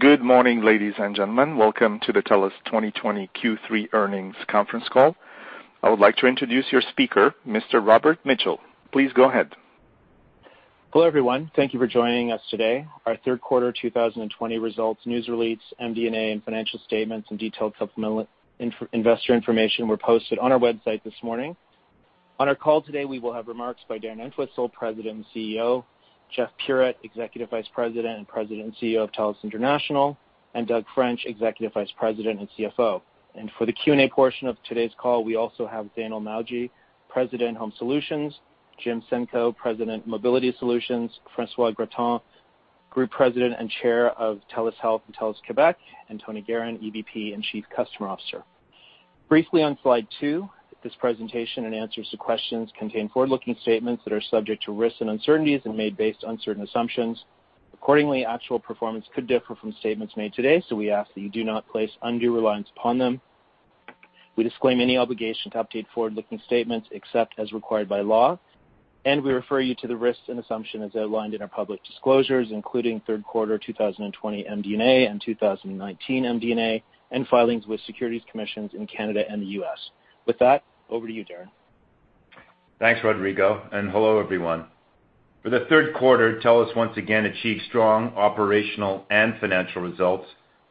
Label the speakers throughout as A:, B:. A: Good morning, ladies and gentlemen. Welcome to the TELUS 2020 Q3 Earnings Conference Call. I would like to introduce your speaker, Mr. Robert Mitchell. Please go ahead.
B: Hello, everyone. Thank you for joining us today. Our third quarter 2020 results, news release, MD&A, and financial statements and detailed supplemental investor information were posted on our website this morning. On our call today, we will have remarks by Darren Entwistle, President and CEO, Jeff Puritt, Executive Vice President and President and CEO of TELUS International, and Doug French, Executive Vice President and CFO. For the Q&A portion of today's call, we also have Zainul Mawji, President of Home Solutions, Jim Senko, President, Mobility Solutions, François Gratton, Group President and Chair of TELUS Health and TELUS Québec, and Tony Geheran, EVP and Chief Customer Officer. Briefly on Slide two, this presentation and answers to questions contain forward-looking statements that are subject to risks and uncertainties and made based on certain assumptions. Accordingly, actual performance could differ from statements made today, so we ask that you do not place undue reliance upon them. We disclaim any obligation to update forward-looking statements except as required by law, and we refer you to the risks and assumptions as outlined in our public disclosures, including third quarter 2020 MD&A and 2019 MD&A, and filings with securities commissions in Canada and the U.S. With that, over to you, Darren.
C: Thanks Rodrigo, and hello, everyone. For the third quarter, TELUS once again achieved strong operational and financial results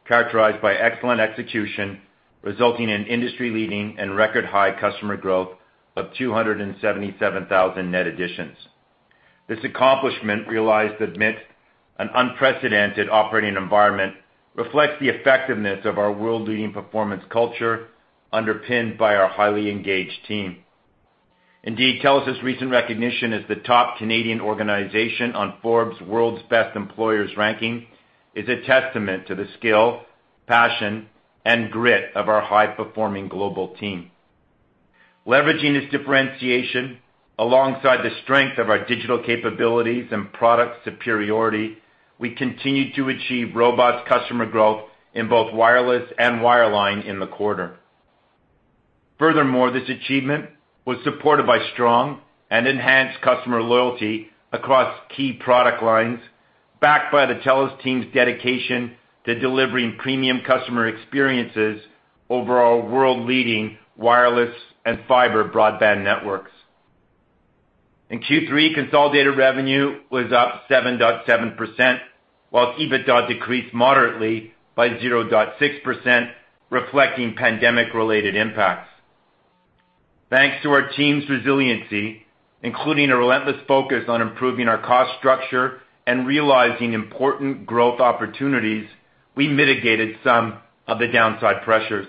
C: characterized by excellent execution, resulting in industry-leading and record-high customer growth of 277,000 net additions. This accomplishment, realized amidst an unprecedented operating environment, reflects the effectiveness of our world-leading performance culture underpinned by our highly engaged team. Indeed, TELUS' recent recognition as the top Canadian organization on Forbes' World's Best Employers ranking is a testament to the skill, passion, and grit of our high-performing global team. Leveraging this differentiation alongside the strength of our digital capabilities and product superiority, we continued to achieve robust customer growth in both wireless and wireline in the quarter. Furthermore, this achievement was supported by strong and enhanced customer loyalty across key product lines, backed by the TELUS team's dedication to delivering premium customer experiences over our world-leading wireless and fiber broadband networks. In Q3, consolidated revenue was up 7.7%, whilst EBITDA decreased moderately by 0.6%, reflecting pandemic-related impacts. Thanks to our team's resiliency, including a relentless focus on improving our cost structure and realizing important growth opportunities, we mitigated some of the downside pressures.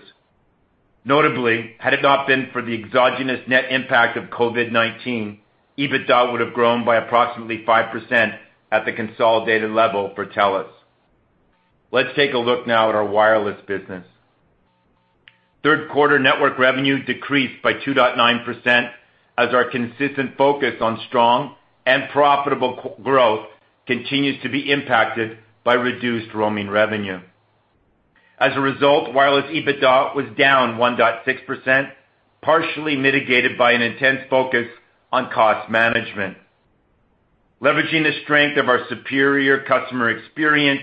C: Notably, had it not been for the exogenous net impact of COVID-19, EBITDA would have grown by approximately 5% at the consolidated level for TELUS. Let's take a look now at our wireless business. Third quarter network revenue decreased by 2.9% as our consistent focus on strong and profitable growth continues to be impacted by reduced roaming revenue. Wireless EBITDA was down 1.6%, partially mitigated by an intense focus on cost management. Leveraging the strength of our superior customer experience,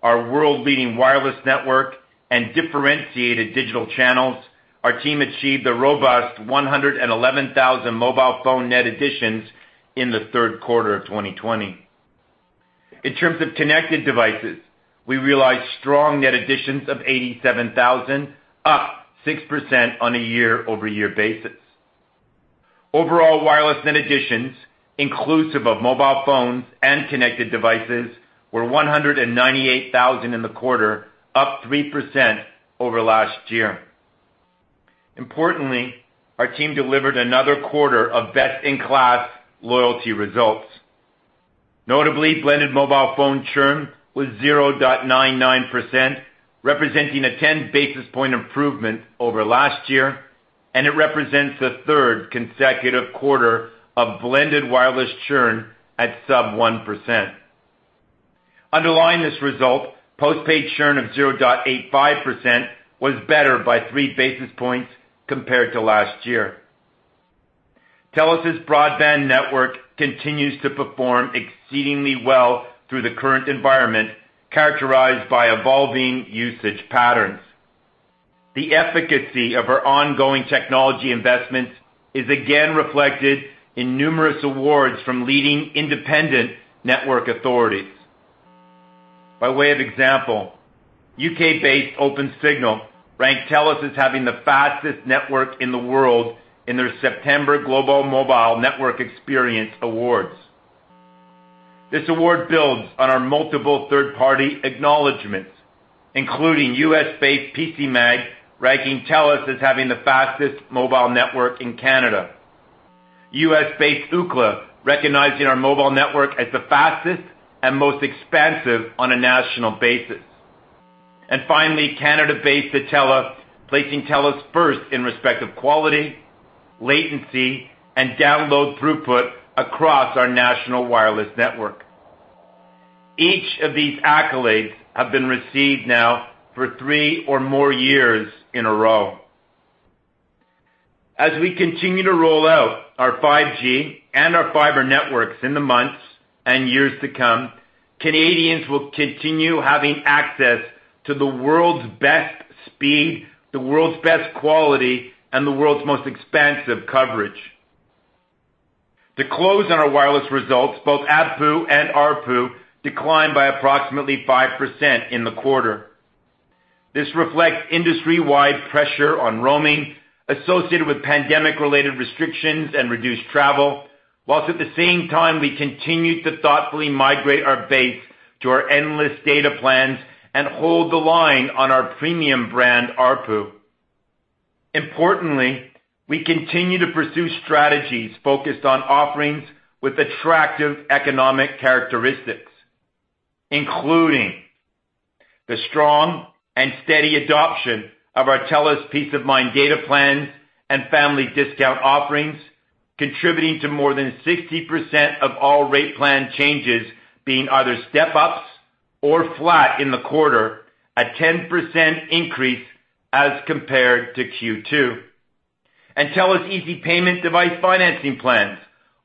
C: our world-leading wireless network, and differentiated digital channels, our team achieved a robust 111,000 mobile phone net additions in the third quarter of 2020. In terms of connected devices, we realized strong net additions of 87,000, up 6% on a year-over-year basis. Overall wireless net additions, inclusive of mobile phones and connected devices, were 198,000 in the quarter, up 3% over last year. Importantly, our team delivered another quarter of best-in-class loyalty results. Notably, blended mobile phone churn was 0.99%, representing a 10-basis-point improvement over last year, and it represents the third consecutive quarter of blended wireless churn at sub 1%. Underlying this result, postpaid churn of 0.85% was better by three basis points compared to last year. TELUS' broadband network continues to perform exceedingly well through the current environment, characterized by evolving usage patterns. The efficacy of our ongoing technology investments is again reflected in numerous awards from leading independent network authorities. By way of example, U.K.-based Opensignal ranked TELUS as having the fastest network in the world in their September Global Mobile Network Experience Awards. This award builds on our multiple third-party acknowledgments, including U.S.-based PCMag ranking TELUS as having the fastest mobile network in Canada, U.S.-based Ookla recognizing our mobile network as the fastest and most expansive on a national basis, and finally, Canada-based Tutela placing TELUS first in respect of quality, latency, and download throughput across our national wireless network. Each of these accolades have been received now for three or more years in a row. As we continue to roll out our 5G and our fiber networks in the months and years to come, Canadians will continue having access to the world's best speed, the world's best quality, and the world's most expansive coverage. To close on our wireless results, both ARPU and ABPU declined by approximately 5% in the quarter. This reflects industry-wide pressure on roaming associated with pandemic-related restrictions and reduced travel, whilst at the same time, we continued to thoughtfully migrate our base to our endless data plans and hold the line on our premium brand ARPU. Importantly, we continue to pursue strategies focused on offerings with attractive economic characteristics, including the strong and steady adoption of our TELUS Peace of Mind data plans and family discount offerings, contributing to more than 60% of all rate plan changes being either step-ups or flat in the quarter, a 10% increase as compared to Q2. TELUS Easy Payment device financing plans,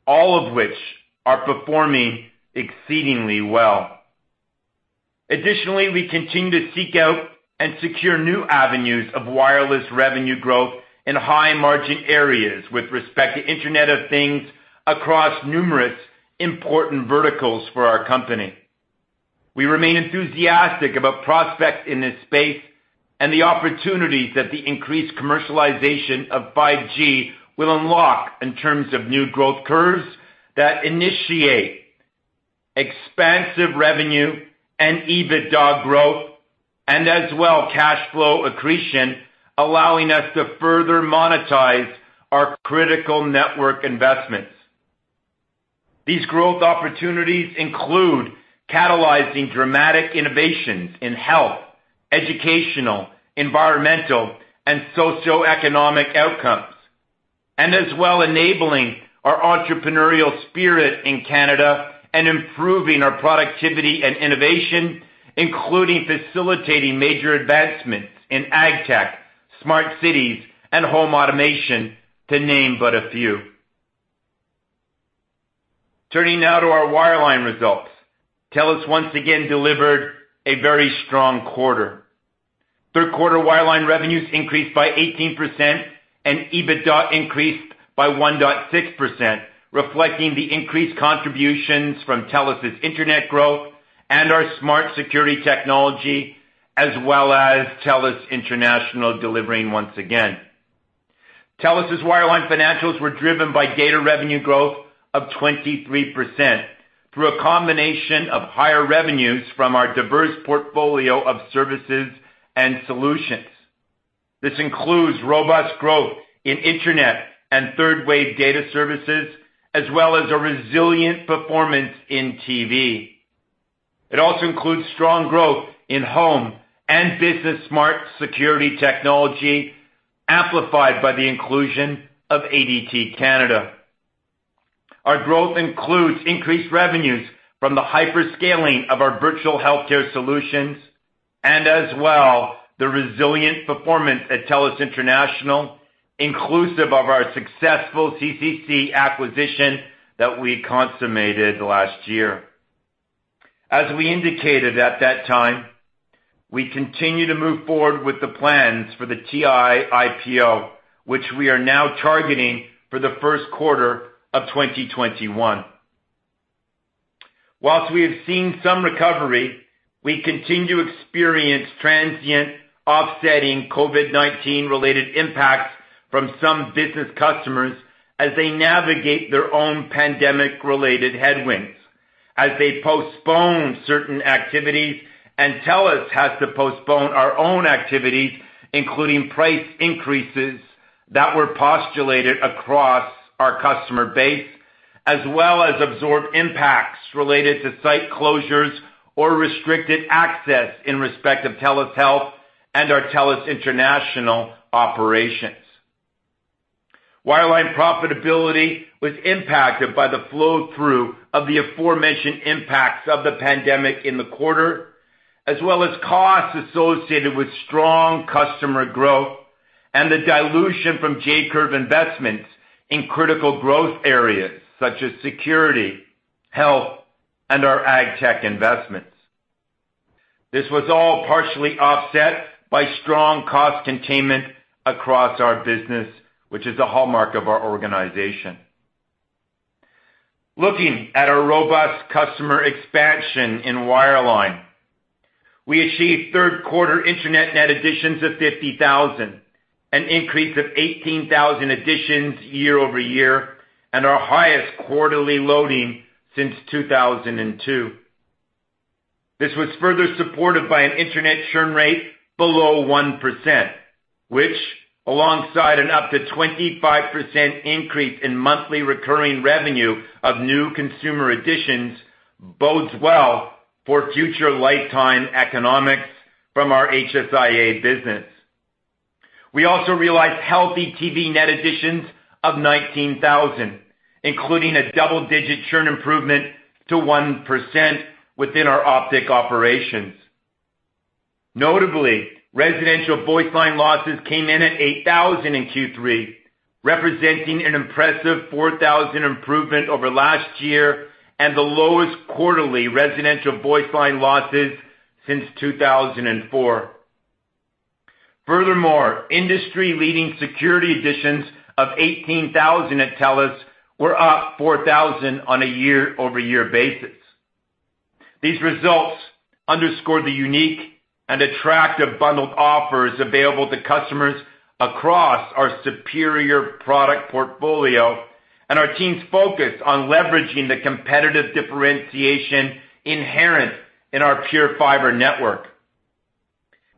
C: all of which are performing exceedingly well. Additionally, we continue to seek out and secure new avenues of wireless revenue growth in high margin areas with respect to Internet of Things across numerous important verticals for our company. We remain enthusiastic about prospects in this space and the opportunities that the increased commercialization of 5G will unlock in terms of new growth curves that initiate expansive revenue and EBITDA growth, and as well, cash flow accretion, allowing us to further monetize our critical network investments. These growth opportunities include catalyzing dramatic innovations in health, educational, environmental, and socioeconomic outcomes, and as well, enabling our entrepreneurial spirit in Canada and improving our productivity and innovation, including facilitating major advancements in AgTech, smart cities, and home automation, to name but a few. Turning now to our wireline results. TELUS once again delivered a very strong quarter. Third quarter wireline revenues increased by 18% and EBITDA increased by 1.6%, reflecting the increased contributions from TELUS's Internet growth and our Smart Security Technology, as well as TELUS International delivering once again. TELUS's wireline financials were driven by data revenue growth of 23% through a combination of higher revenues from our diverse portfolio of services and solutions. This includes robust growth in Internet and third-wave data services, as well as a resilient performance in TV. It also includes strong growth in home and business Smart Security Technology, amplified by the inclusion of ADT Canada. Our growth includes increased revenues from the hyperscaling of our virtual healthcare solutions, and as well, the resilient performance at TELUS International, inclusive of our successful CCC acquisition that we consummated last year. As we indicated at that time, we continue to move forward with the plans for the TI IPO, which we are now targeting for the first quarter of 2021. Whilst we have seen some recovery, we continue to experience transient offsetting COVID-19 related impacts from some business customers as they navigate their own pandemic-related headwinds, as they postpone certain activities, and TELUS has to postpone our own activities, including price increases that were postulated across our customer base, as well as absorb impacts related to site closures or restricted access in respect of TELUS Health and our TELUS International operations. Wireline profitability was impacted by the flow-through of the aforementioned impacts of the pandemic in the quarter, as well as costs associated with strong customer growth and the dilution from J-curve investments in critical growth areas such as security, health, and our AgTech investments. This was all partially offset by strong cost containment across our business, which is a hallmark of our organization. Looking at our robust customer expansion in wireline, we achieved third quarter internet net additions of 50,000, an increase of 18,000 additions year-over-year and our highest quarterly loading since 2002. This was further supported by an internet churn rate below 1%, which alongside an up to 25% increase in monthly recurring revenue of new consumer additions, bodes well for future lifetime economics from our HSIA business. We also realized healthy TV net additions of 19,000, including a double-digit churn improvement to 1% within our Optik Operations. Notably, residential voice line losses came in at 8,000 in Q3, representing an impressive 4,000 improvement over last year and the lowest quarterly residential voice line losses since 2004. Furthermore, industry-leading security additions of 18,000 at TELUS were up 4,000 on a year-over-year basis. These results underscore the unique and attractive bundled offers available to customers across our superior product portfolio and our team's focus on leveraging the competitive differentiation inherent in our TELUS PureFibre network.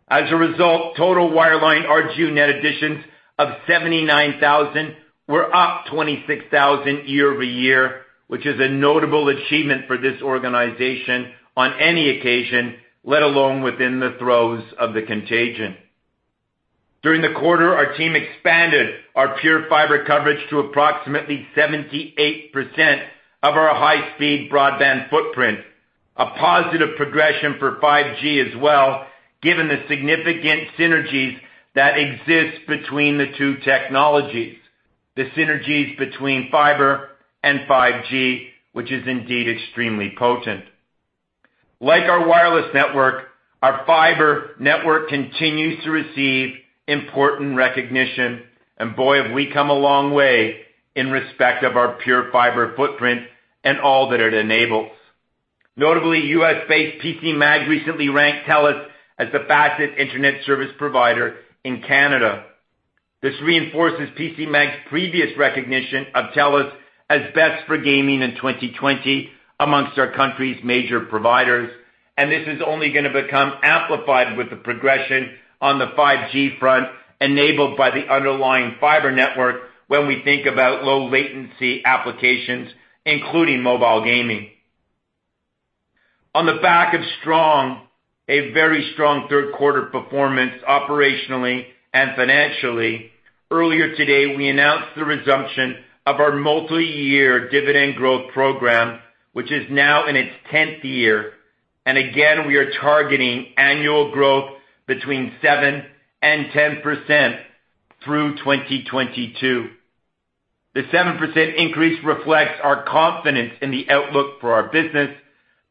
C: As a result, total wireline RGU net additions of 79,000 were up 26,000 year-over-year, which is a notable achievement for this organization on any occasion, let alone within the throes of the contagion. During the quarter, our team expanded our TELUS PureFibre coverage to approximately 78% of our high-speed broadband footprint, a positive progression for 5G as well, given the significant synergies that exist between the two technologies. The synergies between fiber and 5G, which is indeed extremely potent. Like our wireless network, our fiber network continues to receive important recognition, and boy, have we come a long way in respect of our TELUS PureFibre footprint and all that it enables. Notably, U.S.-based PCMag recently ranked TELUS as the fastest internet service provider in Canada. This reinforces PCMag's previous recognition of TELUS as best for gaming in 2020 amongst our country's major providers, and this is only going to become amplified with the progression on the 5G front enabled by the underlying fiber network when we think about low latency applications, including mobile gaming. On the back of a very strong third quarter performance operationally and financially, earlier today, we announced the resumption of our Multi-Year Dividend Growth Program, which is now in its 10th year. Again, we are targeting annual growth between 7% and 10% through 2022. The 7% increase reflects our confidence in the outlook for our business,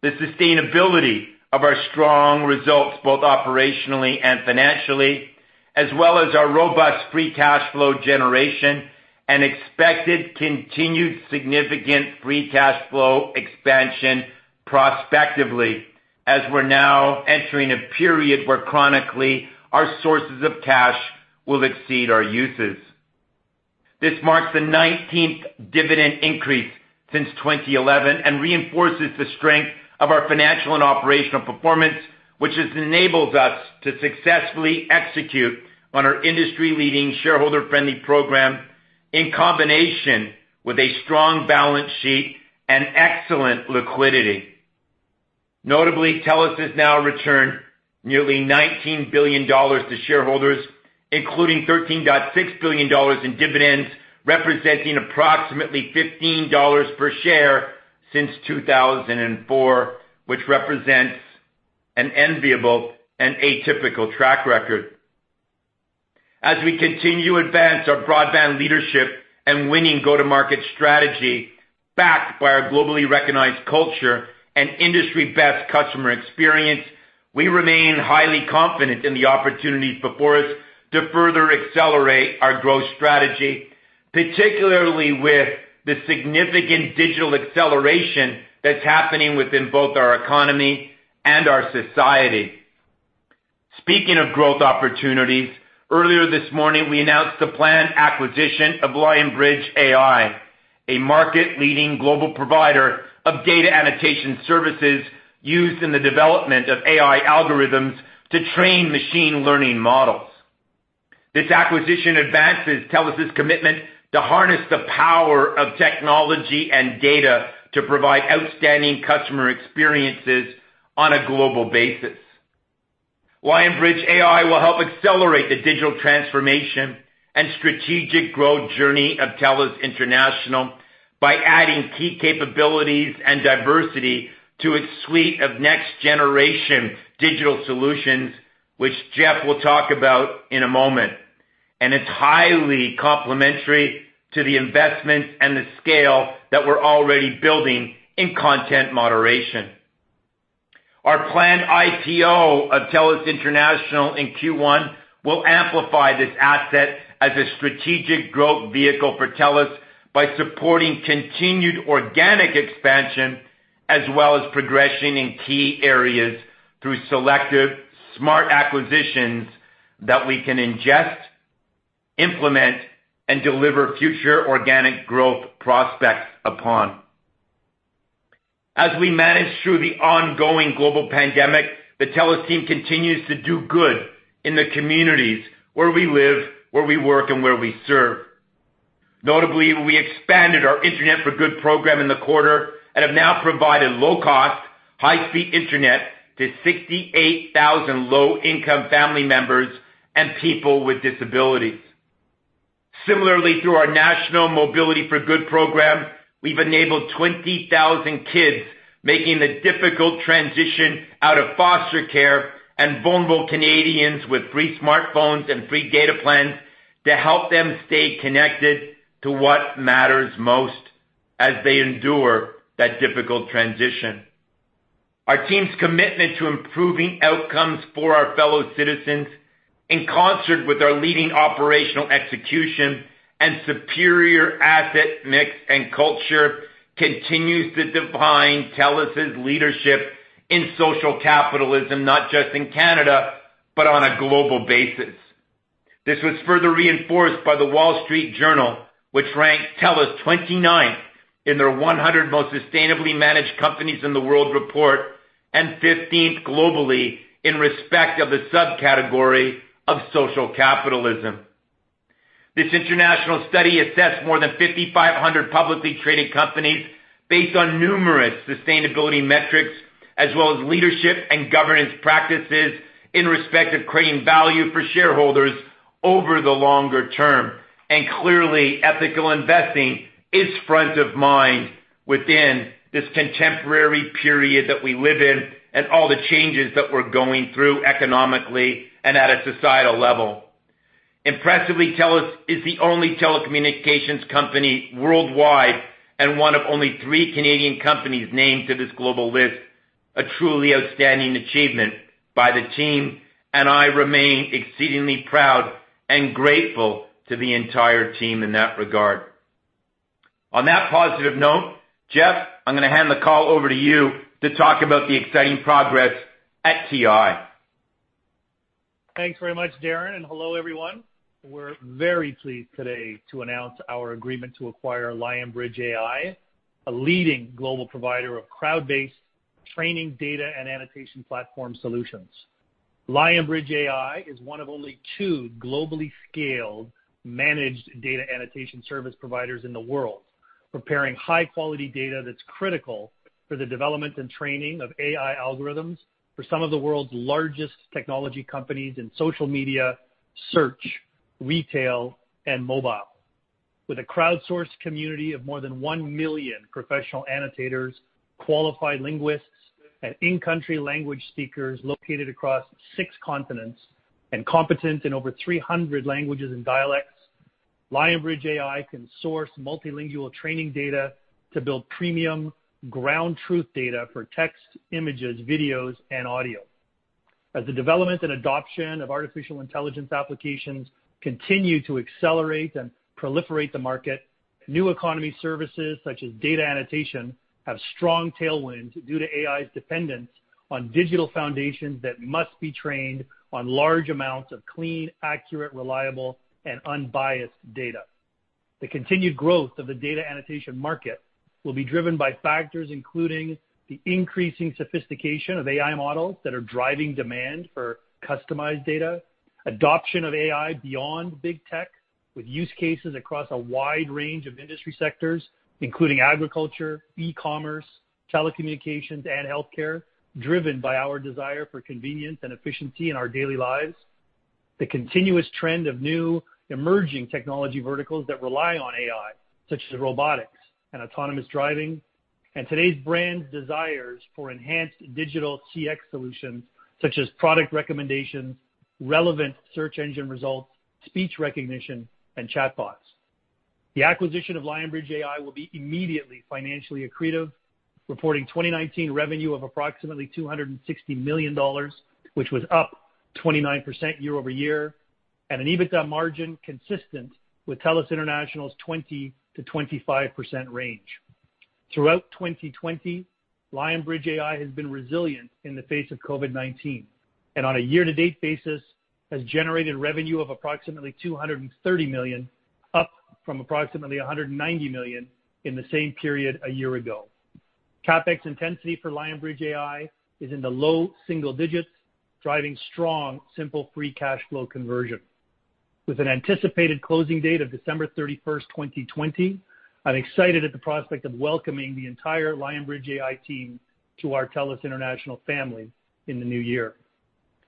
C: the sustainability of our strong results both operationally and financially, as well as our robust free cash flow generation and expected continued significant free cash flow expansion prospectively as we're now entering a period where chronically our sources of cash will exceed our uses. This marks the 19th dividend increase since 2011 and reinforces the strength of our financial and operational performance, which has enabled us to successfully execute on our industry-leading shareholder-friendly program in combination with a strong balance sheet and excellent liquidity. Notably, TELUS has now returned nearly CAD 19 billion to shareholders, including CAD 13.6 billion in dividends, representing approximately CAD 15 per share since 2004, which represents an enviable and atypical track record. As we continue to advance our broadband leadership and winning go-to-market strategy backed by our globally recognized culture and industry-best customer experience, we remain highly confident in the opportunities before us to further accelerate our growth strategy, particularly with the significant digital acceleration that's happening within both our economy and our society. Speaking of growth opportunities, earlier this morning, we announced the planned acquisition of Lionbridge AI, a market-leading global provider of data annotation services used in the development of AI algorithms to train machine learning models. This acquisition advances TELUS's commitment to harness the power of technology and data to provide outstanding customer experiences on a global basis. Lionbridge AI will help accelerate the digital transformation and strategic growth journey of TELUS International by adding key capabilities and diversity to its suite of next-generation digital solutions, which Jeff will talk about in a moment. It's highly complementary to the investments and the scale that we're already building in content moderation. Our planned IPO of TELUS International in Q1 will amplify this asset as a strategic growth vehicle for TELUS by supporting continued organic expansion as well as progression in key areas through selective, smart acquisitions that we can ingest, implement, and deliver future organic growth prospects upon. As we manage through the ongoing global pandemic, the TELUS team continues to do good in the communities where we live, where we work, and where we serve. Notably, we expanded our Internet for Good program in the quarter and have now provided low-cost, high-speed internet to 68,000 low-income family members and people with disabilities. Similarly, through our national Mobility for Good program, we've enabled 20,000 kids making the difficult transition out of foster care and vulnerable Canadians with free smartphones and free data plans to help them stay connected to what matters most as they endure that difficult transition. Our team's commitment to improving outcomes for our fellow citizens, in concert with our leading operational execution and superior asset mix and culture, continues to define TELUS's leadership in social capitalism, not just in Canada, but on a global basis. This was further reinforced by The Wall Street Journal, which ranked TELUS 29th in their 100 Most Sustainably Managed Companies in the World Report and 15th globally in respect of the subcategory of social capitalism. This international study assessed more than 5,500 publicly traded companies based on numerous sustainability metrics as well as leadership and governance practices in respect of creating value for shareholders over the longer term. Clearly, ethical investing is front of mind within this contemporary period that we live in and all the changes that we're going through economically and at a societal level. Impressively, TELUS is the only telecommunications company worldwide and one of only three Canadian companies named to this global list, a truly outstanding achievement by the team, and I remain exceedingly proud and grateful to the entire team in that regard. On that positive note, Jeff, I'm going to hand the call over to you to talk about the exciting progress at TI.
D: Thanks very much, Darren. Hello, everyone. We're very pleased today to announce our agreement to acquire Lionbridge AI, a leading global provider of cloud-based training data and annotation platform solutions. Lionbridge AI is one of only two globally scaled managed data annotation service providers in the world, preparing high-quality data that's critical for the development and training of AI algorithms for some of the world's largest technology companies in social media, search, retail, and mobile. With a crowdsourced community of more than 1 million professional annotators, qualified linguists, and in-country language speakers located across six continents and competent in over 300 languages and dialects, Lionbridge AI can source multilingual training data to build premium ground truth data for text, images, videos, and audio. As the development and adoption of artificial intelligence applications continue to accelerate and proliferate the market, new economy services such as data annotation have strong tailwinds due to AI's dependence on digital foundations that must be trained on large amounts of clean, accurate, reliable, and unbiased data. The continued growth of the data annotation market will be driven by factors including the increasing sophistication of AI models that are driving demand for customized data, adoption of AI beyond big tech with use cases across a wide range of industry sectors, including agriculture, e-commerce, telecommunications, and healthcare, driven by our desire for convenience and efficiency in our daily lives. The continuous trend of new emerging technology verticals that rely on AI, such as robotics and autonomous driving, and today's brands' desires for enhanced digital CX solutions such as product recommendations, relevant search engine results, speech recognition, and chatbots. The acquisition of Lionbridge AI will be immediately financially accretive, reporting 2019 revenue of approximately 260 million dollars, which was up 29% year-over-year, and an EBITDA margin consistent with TELUS International's 20%-25% range. Throughout 2020, Lionbridge AI has been resilient in the face of COVID-19, and on a year-to-date basis has generated revenue of approximately 230 million, up from approximately 190 million in the same period a year ago. CapEx intensity for Lionbridge AI is in the low single digits, driving strong simple free cash flow conversion. With an anticipated closing date of December 31st, 2020, I'm excited at the prospect of welcoming the entire Lionbridge AI team to our TELUS International family in the new year.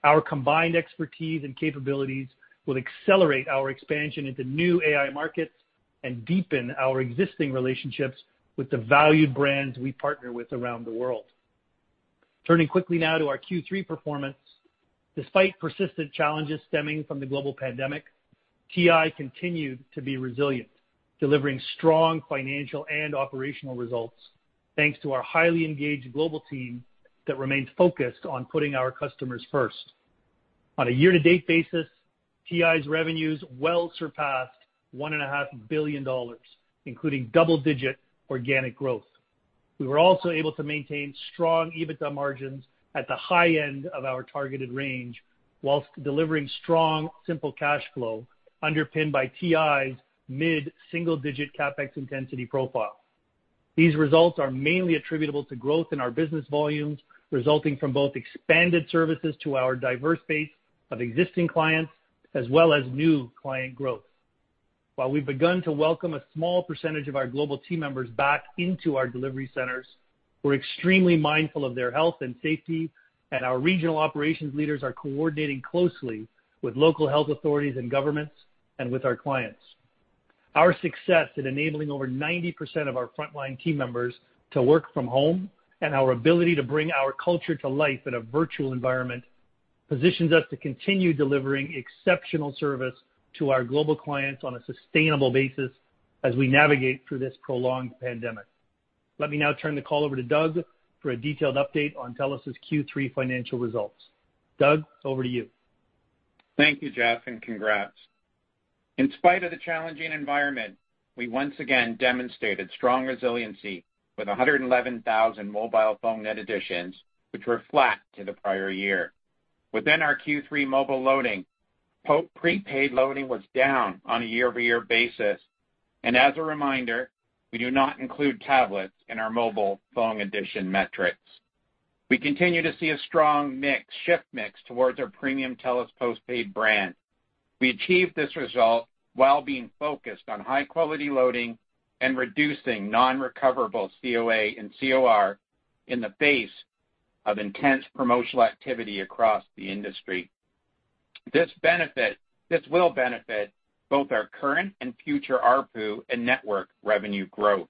D: Our combined expertise and capabilities will accelerate our expansion into new AI markets and deepen our existing relationships with the valued brands we partner with around the world. Turning quickly now to our Q3 performance. Despite persistent challenges stemming from the global pandemic, TI continued to be resilient, delivering strong financial and operational results, thanks to our highly engaged global team that remains focused on putting our customers first. On a year-to-date basis, TI's revenues well surpassed 1.5 billion dollars, including double-digit organic growth. We were also able to maintain strong EBITDA margins at the high end of our targeted range whilst delivering strong simple cash flow underpinned by TI's mid-single-digit CapEx intensity profile. These results are mainly attributable to growth in our business volumes, resulting from both expanded services to our diverse base of existing clients as well as new client growth. While we've begun to welcome a small percentage of our global team members back into our delivery centers, we're extremely mindful of their health and safety, and our regional operations leaders are coordinating closely with local health authorities and governments, and with our clients. Our success in enabling over 90% of our frontline team members to work from home, and our ability to bring our culture to life in a virtual environment, positions us to continue delivering exceptional service to our global clients on a sustainable basis as we navigate through this prolonged pandemic. Let me now turn the call over to Doug for a detailed update on TELUS's Q3 financial results. Doug, over to you.
E: Thank you, Jeff, and congrats. In spite of the challenging environment, we once again demonstrated strong resiliency with 111,000 mobile phone net additions, which were flat to the prior year. Within our Q3 mobile loading, prepaid loading was down on a year-over-year basis. As a reminder, we do not include tablets in our mobile phone addition metrics. We continue to see a strong shift mix towards our premium TELUS postpaid brand. We achieved this result while being focused on high-quality loading and reducing non-recoverable COA and COR in the face of intense promotional activity across the industry. This will benefit both our current and future ARPU and network revenue growth.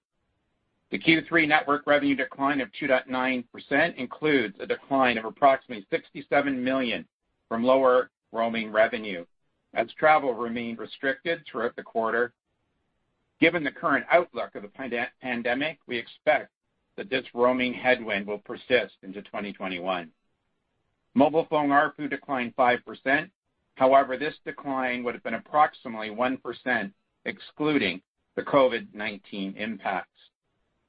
E: The Q3 network revenue decline of 2.9% includes a decline of approximately 67 million from lower roaming revenue, as travel remained restricted throughout the quarter. Given the current outlook of the pandemic, we expect that this roaming headwind will persist into 2021. Mobile phone ARPU declined 5%. However, this decline would've been approximately 1% excluding the COVID-19 impacts.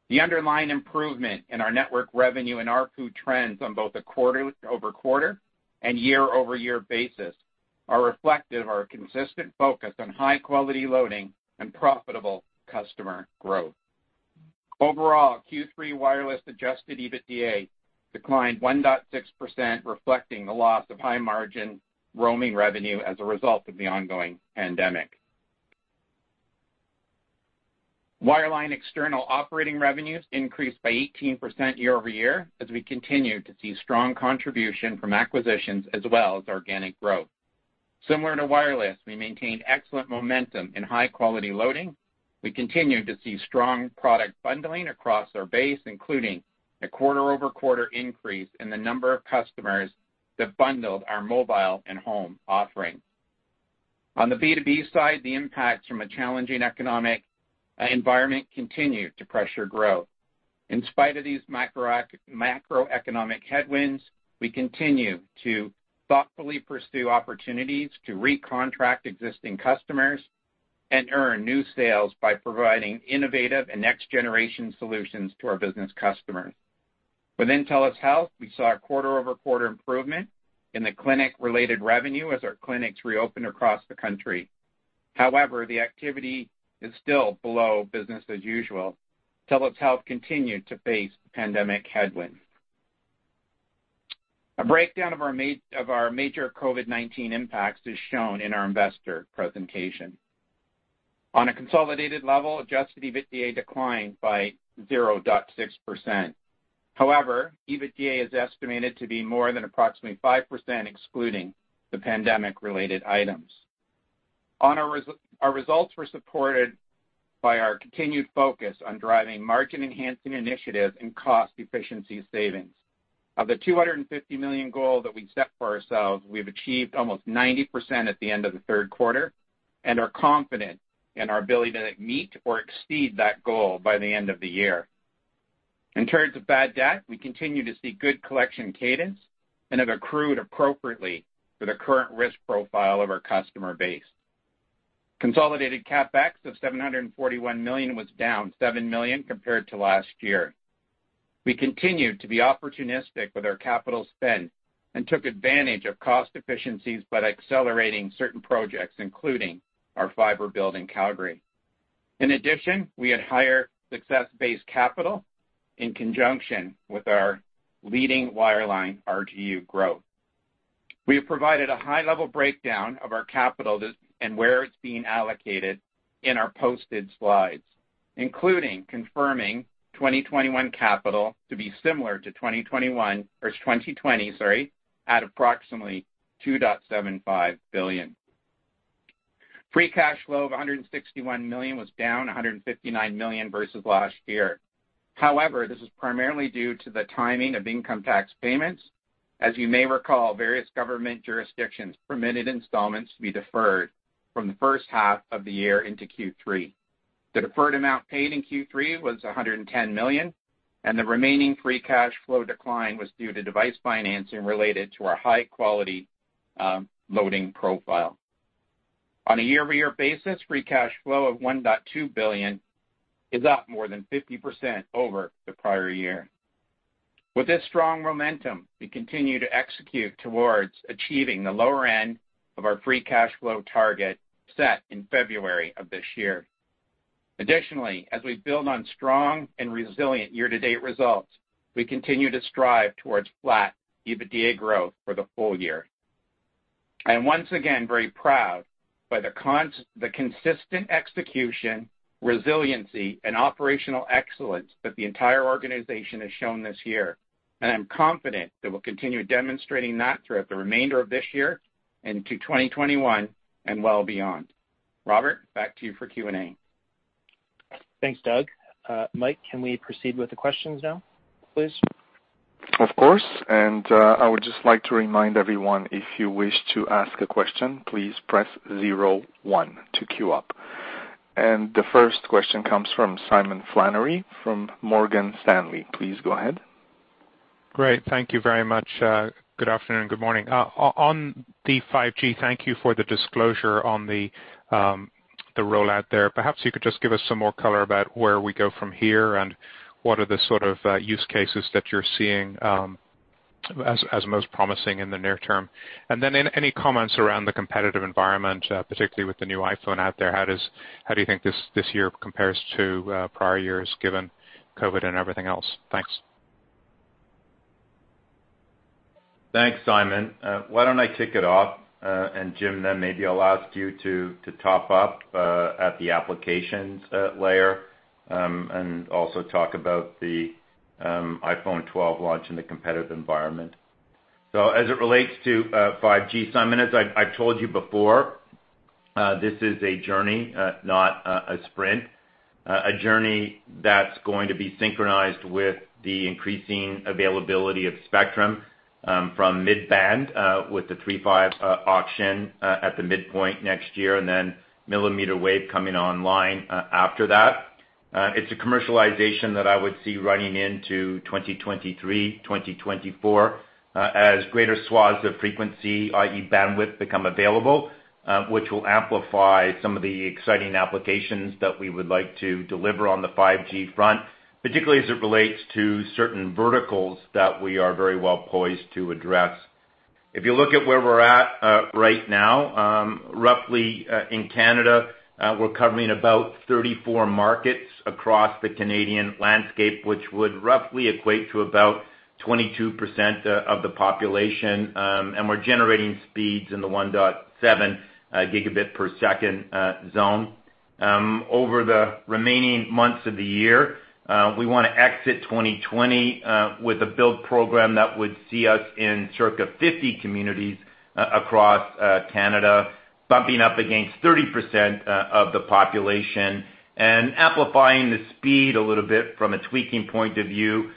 E: The underlying improvement in our network revenue and ARPU trends on both a quarter-over-quarter and year-over-year basis are reflective of our consistent focus on high-quality loading and profitable customer growth. Overall, Q3 wireless adjusted EBITDA declined 1.6%, reflecting the loss of high-margin roaming revenue as a result of the ongoing pandemic. Wireline external operating revenues increased by 18% year-over-year, as we continued to see strong contribution from acquisitions as well as organic growth. Similar to wireless, we maintained excellent momentum in high-quality loading. We continued to see strong product bundling across our base, including a quarter-over-quarter increase in the number of customers that bundled our mobile and home offerings. On the B2B side, the impacts from a challenging economic environment continued to pressure growth. In spite of these macroeconomic headwinds, we continue to thoughtfully pursue opportunities to recontract existing customers and earn new sales by providing innovative and next-generation solutions to our business customers. Within TELUS Health, we saw a quarter-over-quarter improvement in the clinic-related revenue as our clinics reopened across the country. However, the activity is still below business as usual. TELUS Health continued to face pandemic headwinds. A breakdown of our major COVID-19 impacts is shown in our investor presentation. On a consolidated level, adjusted EBITDA declined by 0.6%. However, EBITDA is estimated to be more than approximately 5% excluding the pandemic-related items. Our results were supported by our continued focus on driving margin-enhancing initiatives and cost efficiency savings. Of the 250 million goal that we set for ourselves, we've achieved almost 90% at the end of the third quarter and are confident in our ability to meet or exceed that goal by the end of the year. In terms of bad debt, we continue to see good collection cadence and have accrued appropriately for the current risk profile of our customer base. Consolidated CapEx of 741 million was down 7 million compared to last year. We continued to be opportunistic with our capital spend and took advantage of cost efficiencies by accelerating certain projects, including our fiber build in Calgary. In addition, we had higher success-based capital in conjunction with our leading wireline RGU growth. We have provided a high-level breakdown of our capital and where it's being allocated in our posted slides, including confirming 2021 capital to be similar to 2021 or 2020, sorry, at approximately 2.75 billion. Free cash flow of 161 million was down 159 million versus last year. This is primarily due to the timing of income tax payments. As you may recall, various government jurisdictions permitted installments to be deferred from the first half of the year into Q3. The deferred amount paid in Q3 was 110 million, the remaining free cash flow decline was due to device financing related to our high-quality loading profile. On a year-over-year basis, free cash flow of 1.2 billion is up more than 50% over the prior year. With this strong momentum, we continue to execute towards achieving the lower end of our free cash flow target set in February of this year. Additionally, as we build on strong and resilient year-to-date results, we continue to strive towards flat EBITDA growth for the full year. I'm once again very proud by the consistent execution, resiliency, and operational excellence that the entire organization has shown this year. I'm confident that we'll continue demonstrating that throughout the remainder of this year and to 2021 and well beyond. Robert, back to you for Q&A.
B: Thanks, Doug. Mike, can we proceed with the questions now, please?
A: Of course. I would just like to remind everyone, if you wish to ask a question, please press zero one to queue up. The first question comes from Simon Flannery from Morgan Stanley. Please go ahead.
F: Great. Thank you very much. Good afternoon. Good morning. On the 5G, thank you for the disclosure on the rollout there. Perhaps you could just give us some more color about where we go from here, and what are the sort of use cases that you're seeing as most promising in the near term. Any comments around the competitive environment, particularly with the new iPhone out there, how do you think this year compares to prior years, given COVID and everything else? Thanks.
C: Thanks, Simon. Why don't I kick it off, and Jim, then maybe I'll ask you to top up at the applications layer, and also talk about the iPhone 12 launch and the competitive environment. As it relates to 5G, Simon, as I've told you before, this is a journey, not a sprint. A journey that's going to be synchronized with the increasing availability of spectrum, from mid-band, with the 3.5 auction at the midpoint next year, and then millimeter wave coming online after that. It's a commercialization that I would see running into 2023, 2024, as greater swaths of frequency, i.e. bandwidth, become available, which will amplify some of the exciting applications that we would like to deliver on the 5G front, particularly as it relates to certain verticals that we are very well poised to address. If you look at where we're at right now, roughly, in Canada, we're covering about 34 markets across the Canadian landscape, which would roughly equate to about 22% of the population, and we're generating speeds in the 1.7 gigabit per second zone. Over the remaining months of the year, we want to exit 2020 with a build program that would see us in circa 50 communities across Canada, bumping up against 30% of the population and amplifying the speed a little bit from a tweaking point of view,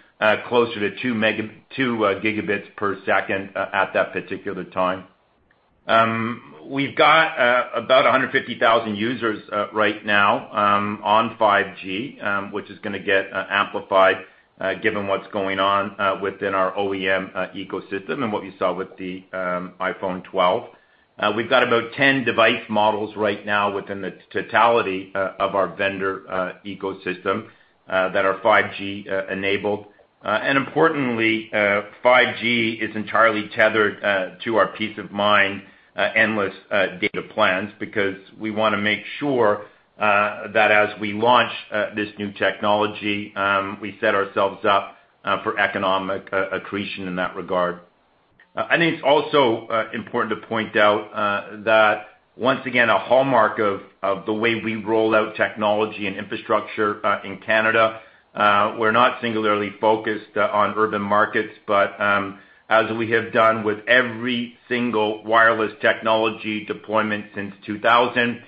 C: closer to 2 gigabits per second at that particular time. We've got about 150,000 users right now on 5G, which is going to get amplified, given what's going on within our OEM ecosystem and what you saw with the iPhone 12. We've got about 10 device models right now within the totality of our vendor ecosystem that are 5G enabled. Importantly, 5G is entirely tethered to our Peace of Mind endless data plans because we want to make sure that as we launch this new technology, we set ourselves up for economic accretion in that regard. I think it's also important to point out that once again, a hallmark of the way we roll out technology and infrastructure in Canada, we're not singularly focused on urban markets, but as we have done with every single wireless technology deployment since 2000,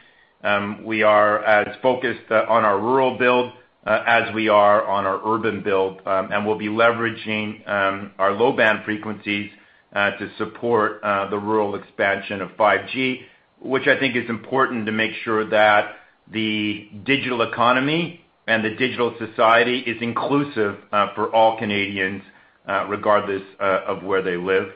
C: we are as focused on our rural build as we are on our urban build. We'll be leveraging our low-band frequencies to support the rural expansion of 5G, which I think is important to make sure that the digital economy and the digital society is inclusive for all Canadians regardless of where they live.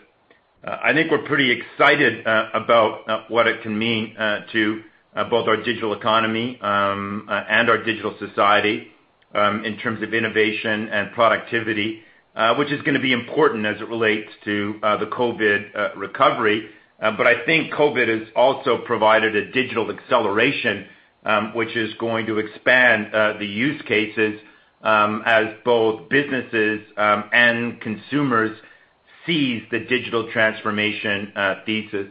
C: I think we're pretty excited about what it can mean to both our digital economy, and our digital society, in terms of innovation and productivity, which is going to be important as it relates to the COVID recovery. I think COVID has also provided a digital acceleration, which is going to expand the use cases, as both businesses and consumers seize the digital transformation thesis.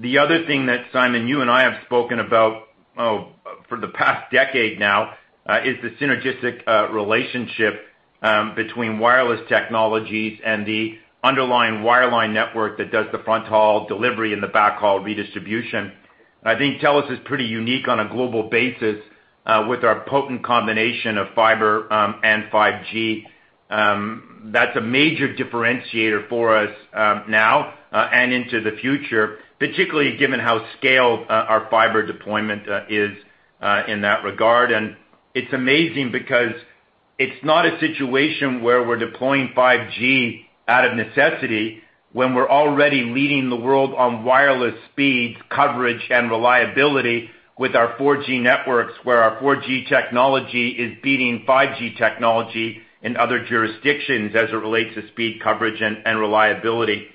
C: The other thing that, Simon, you and I have spoken about for the past decade now, is the synergistic relationship between wireless technologies and the underlying wireline network that does the front-haul delivery and the backhaul redistribution. I think TELUS is pretty unique on a global basis with our potent combination of fiber and 5G. That's a major differentiator for us now and into the future, particularly given how scaled our fiber deployment is in that regard. It's amazing because it's not a situation where we're deploying 5G out of necessity when we're already leading the world on wireless speeds, coverage, and reliability with our 4G networks, where our 4G technology is beating 5G technology in other jurisdictions as it relates to speed, coverage, and reliability,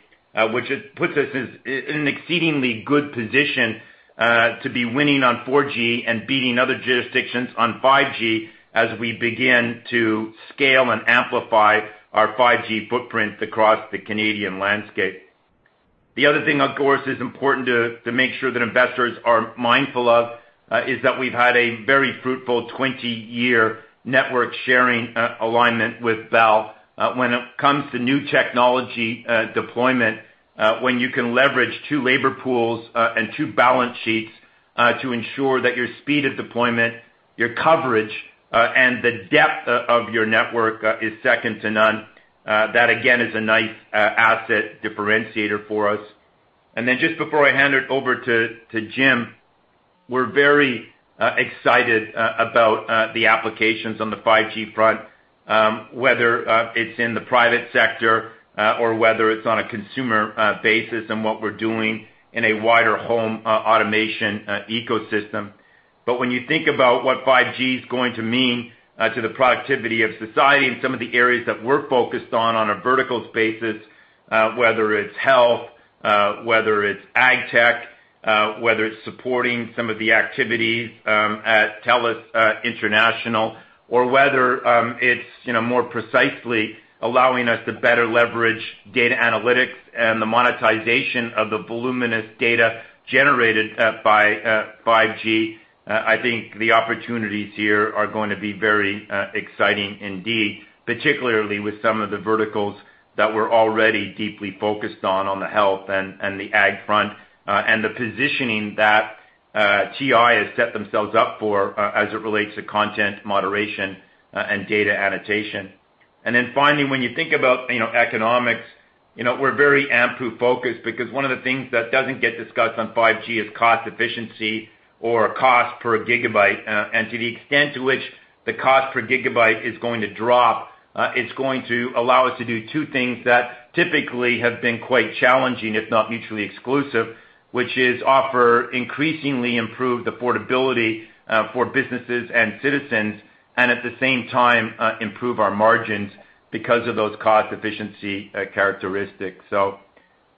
C: which puts us in an exceedingly good position to be winning on 4G and beating other jurisdictions on 5G as we begin to scale and amplify our 5G footprint across the Canadian landscape. The other thing, of course, is important to make sure that investors are mindful of is that we've had a very fruitful 20-year network sharing alignment with Bell. When it comes to new technology deployment, when you can leverage two labor pools and two balance sheets to ensure that your speed of deployment, your coverage, and the depth of your network is second to none, that again is a nice asset differentiator for us. Then just before I hand it over to Jim, we're very excited about the applications on the 5G front, whether it's in the private sector or whether it's on a consumer basis and what we're doing in a wider home automation ecosystem. When you think about what 5G is going to mean to the productivity of society and some of the areas that we're focused on a verticals basis, whether it's health, whether it's AgTech, whether it's supporting some of the activities at TELUS International, or whether it's more precisely allowing us to better leverage data analytics and the monetization of the voluminous data generated by 5G, I think the opportunities here are going to be very exciting indeed, particularly with some of the verticals that we're already deeply focused on the health and the ag front, and the positioning that TI has set themselves up for as it relates to content moderation and data annotation. Finally, when you think about economics, we're very AMPU-focused because one of the things that doesn't get discussed on 5G is cost efficiency or cost per gigabyte. To the extent to which the cost per gigabyte is going to drop, it's going to allow us to do two things that typically have been quite challenging, if not mutually exclusive, which is offer increasingly improved affordability for businesses and citizens, and at the same time, improve our margins because of those cost efficiency characteristics.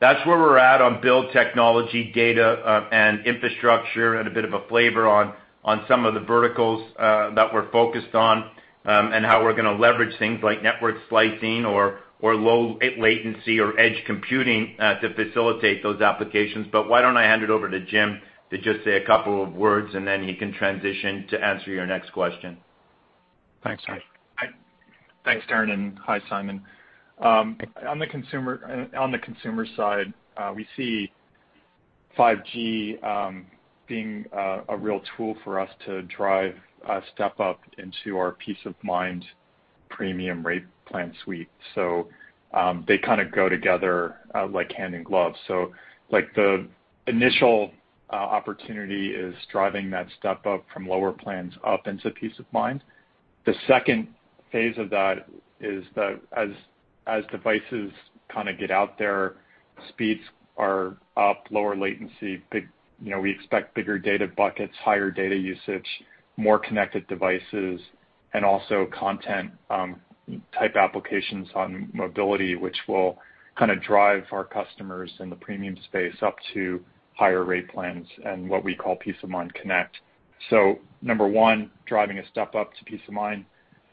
C: That's where we're at on build technology, data, and infrastructure, and a bit of a flavor on some of the verticals that we're focused on, and how we're going to leverage things like network slicing or low latency or edge computing to facilitate those applications. Why don't I hand it over to Jim to just say a couple of words, and then he can transition to answer your next question.
G: Thanks, Darren. Thanks, Darren, and hi, Simon. On the consumer side, we see 5G being a real tool for us to drive a step up into our Peace of Mind premium rate plan suite. They kind of go together like hand in glove. The initial opportunity is driving that step up from lower plans up into Peace of Mind. The second phase of that is that as devices get out there, speeds are up, lower latency. We expect bigger data buckets, higher data usage, more connected devices, and also content-type applications on mobility, which will drive our customers in the premium space up to higher rate plans and what we call Peace of Mind Connect. Number one, driving a step up to Peace of Mind.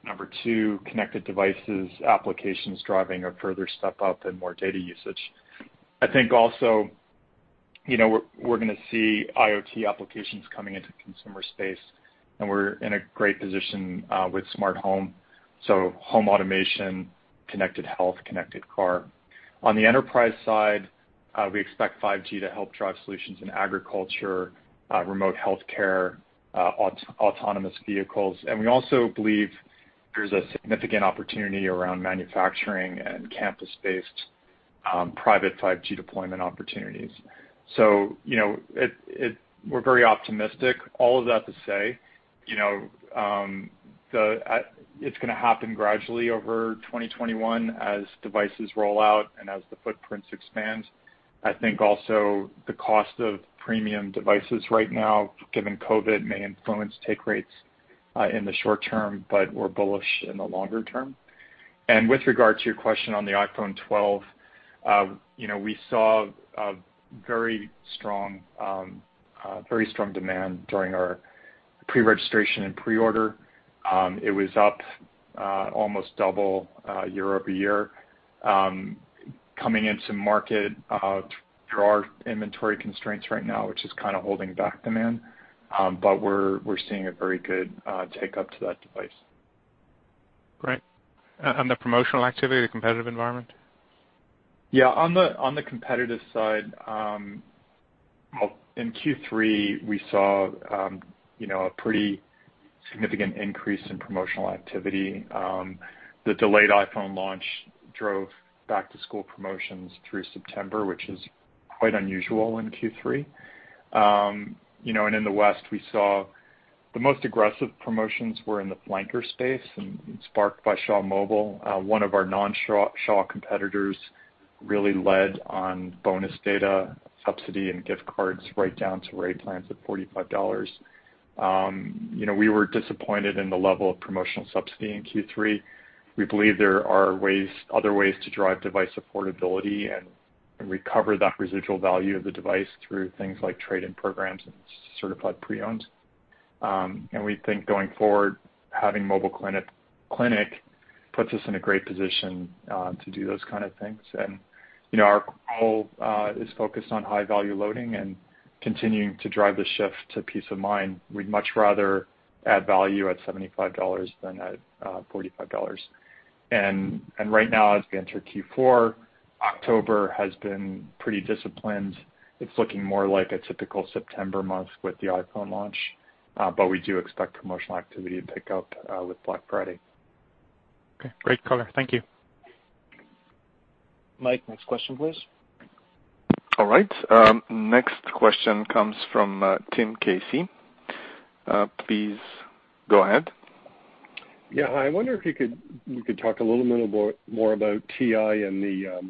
G: Number 2, connected devices, applications driving a further step up and more data usage. I think also, we're going to see IoT applications coming into the consumer space, and we're in a great position with smart home, so home automation, connected health, connected car. On the enterprise side, we expect 5G to help drive solutions in agriculture, remote healthcare, autonomous vehicles, and we also believe there's a significant opportunity around manufacturing and campus-based private 5G deployment opportunities. We're very optimistic. All of that to say, it's going to happen gradually over 2021 as devices roll out and as the footprints expand. I think also the cost of premium devices right now, given COVID, may influence take rates in the short term, but we're bullish in the longer term. With regard to your question on the iPhone 12, we saw very strong demand during our pre-registration and pre-order. It was up almost double year-over-year. Coming into market, there are inventory constraints right now, which is holding back demand. We're seeing a very good take-up to that device.
F: Great. On the promotional activity, the competitive environment?
G: On the competitive side, in Q3, we saw a pretty significant increase in promotional activity. The delayed iPhone launch drove back-to-school promotions through September, which is quite unusual in Q3. In the West, we saw the most aggressive promotions were in the flanker space and sparked by Shaw Mobile. One of our non-Shaw competitors really led on bonus data subsidy and gift cards right down to rate plans of 45 dollars. We were disappointed in the level of promotional subsidy in Q3. We believe there are other ways to drive device affordability and recover that residual value of the device through things like trade-in programs and certified pre-owned. We think going forward, having Mobile Health Clinic puts us in a great position to do those kind of things. Our goal is focused on high-value loading and continuing to drive the shift to Peace of Mind. We'd much rather add value at 75 dollars than at 45 dollars. Right now, as we enter Q4, October has been pretty disciplined. It's looking more like a typical September month with the iPhone launch. We do expect promotional activity to pick up with Black Friday.
F: Okay. Great color. Thank you.
B: Mike, next question, please.
A: All right. Next question comes from Tim Casey. Please go ahead.
H: Yeah. Hi. I wonder if you could talk a little more about TI and the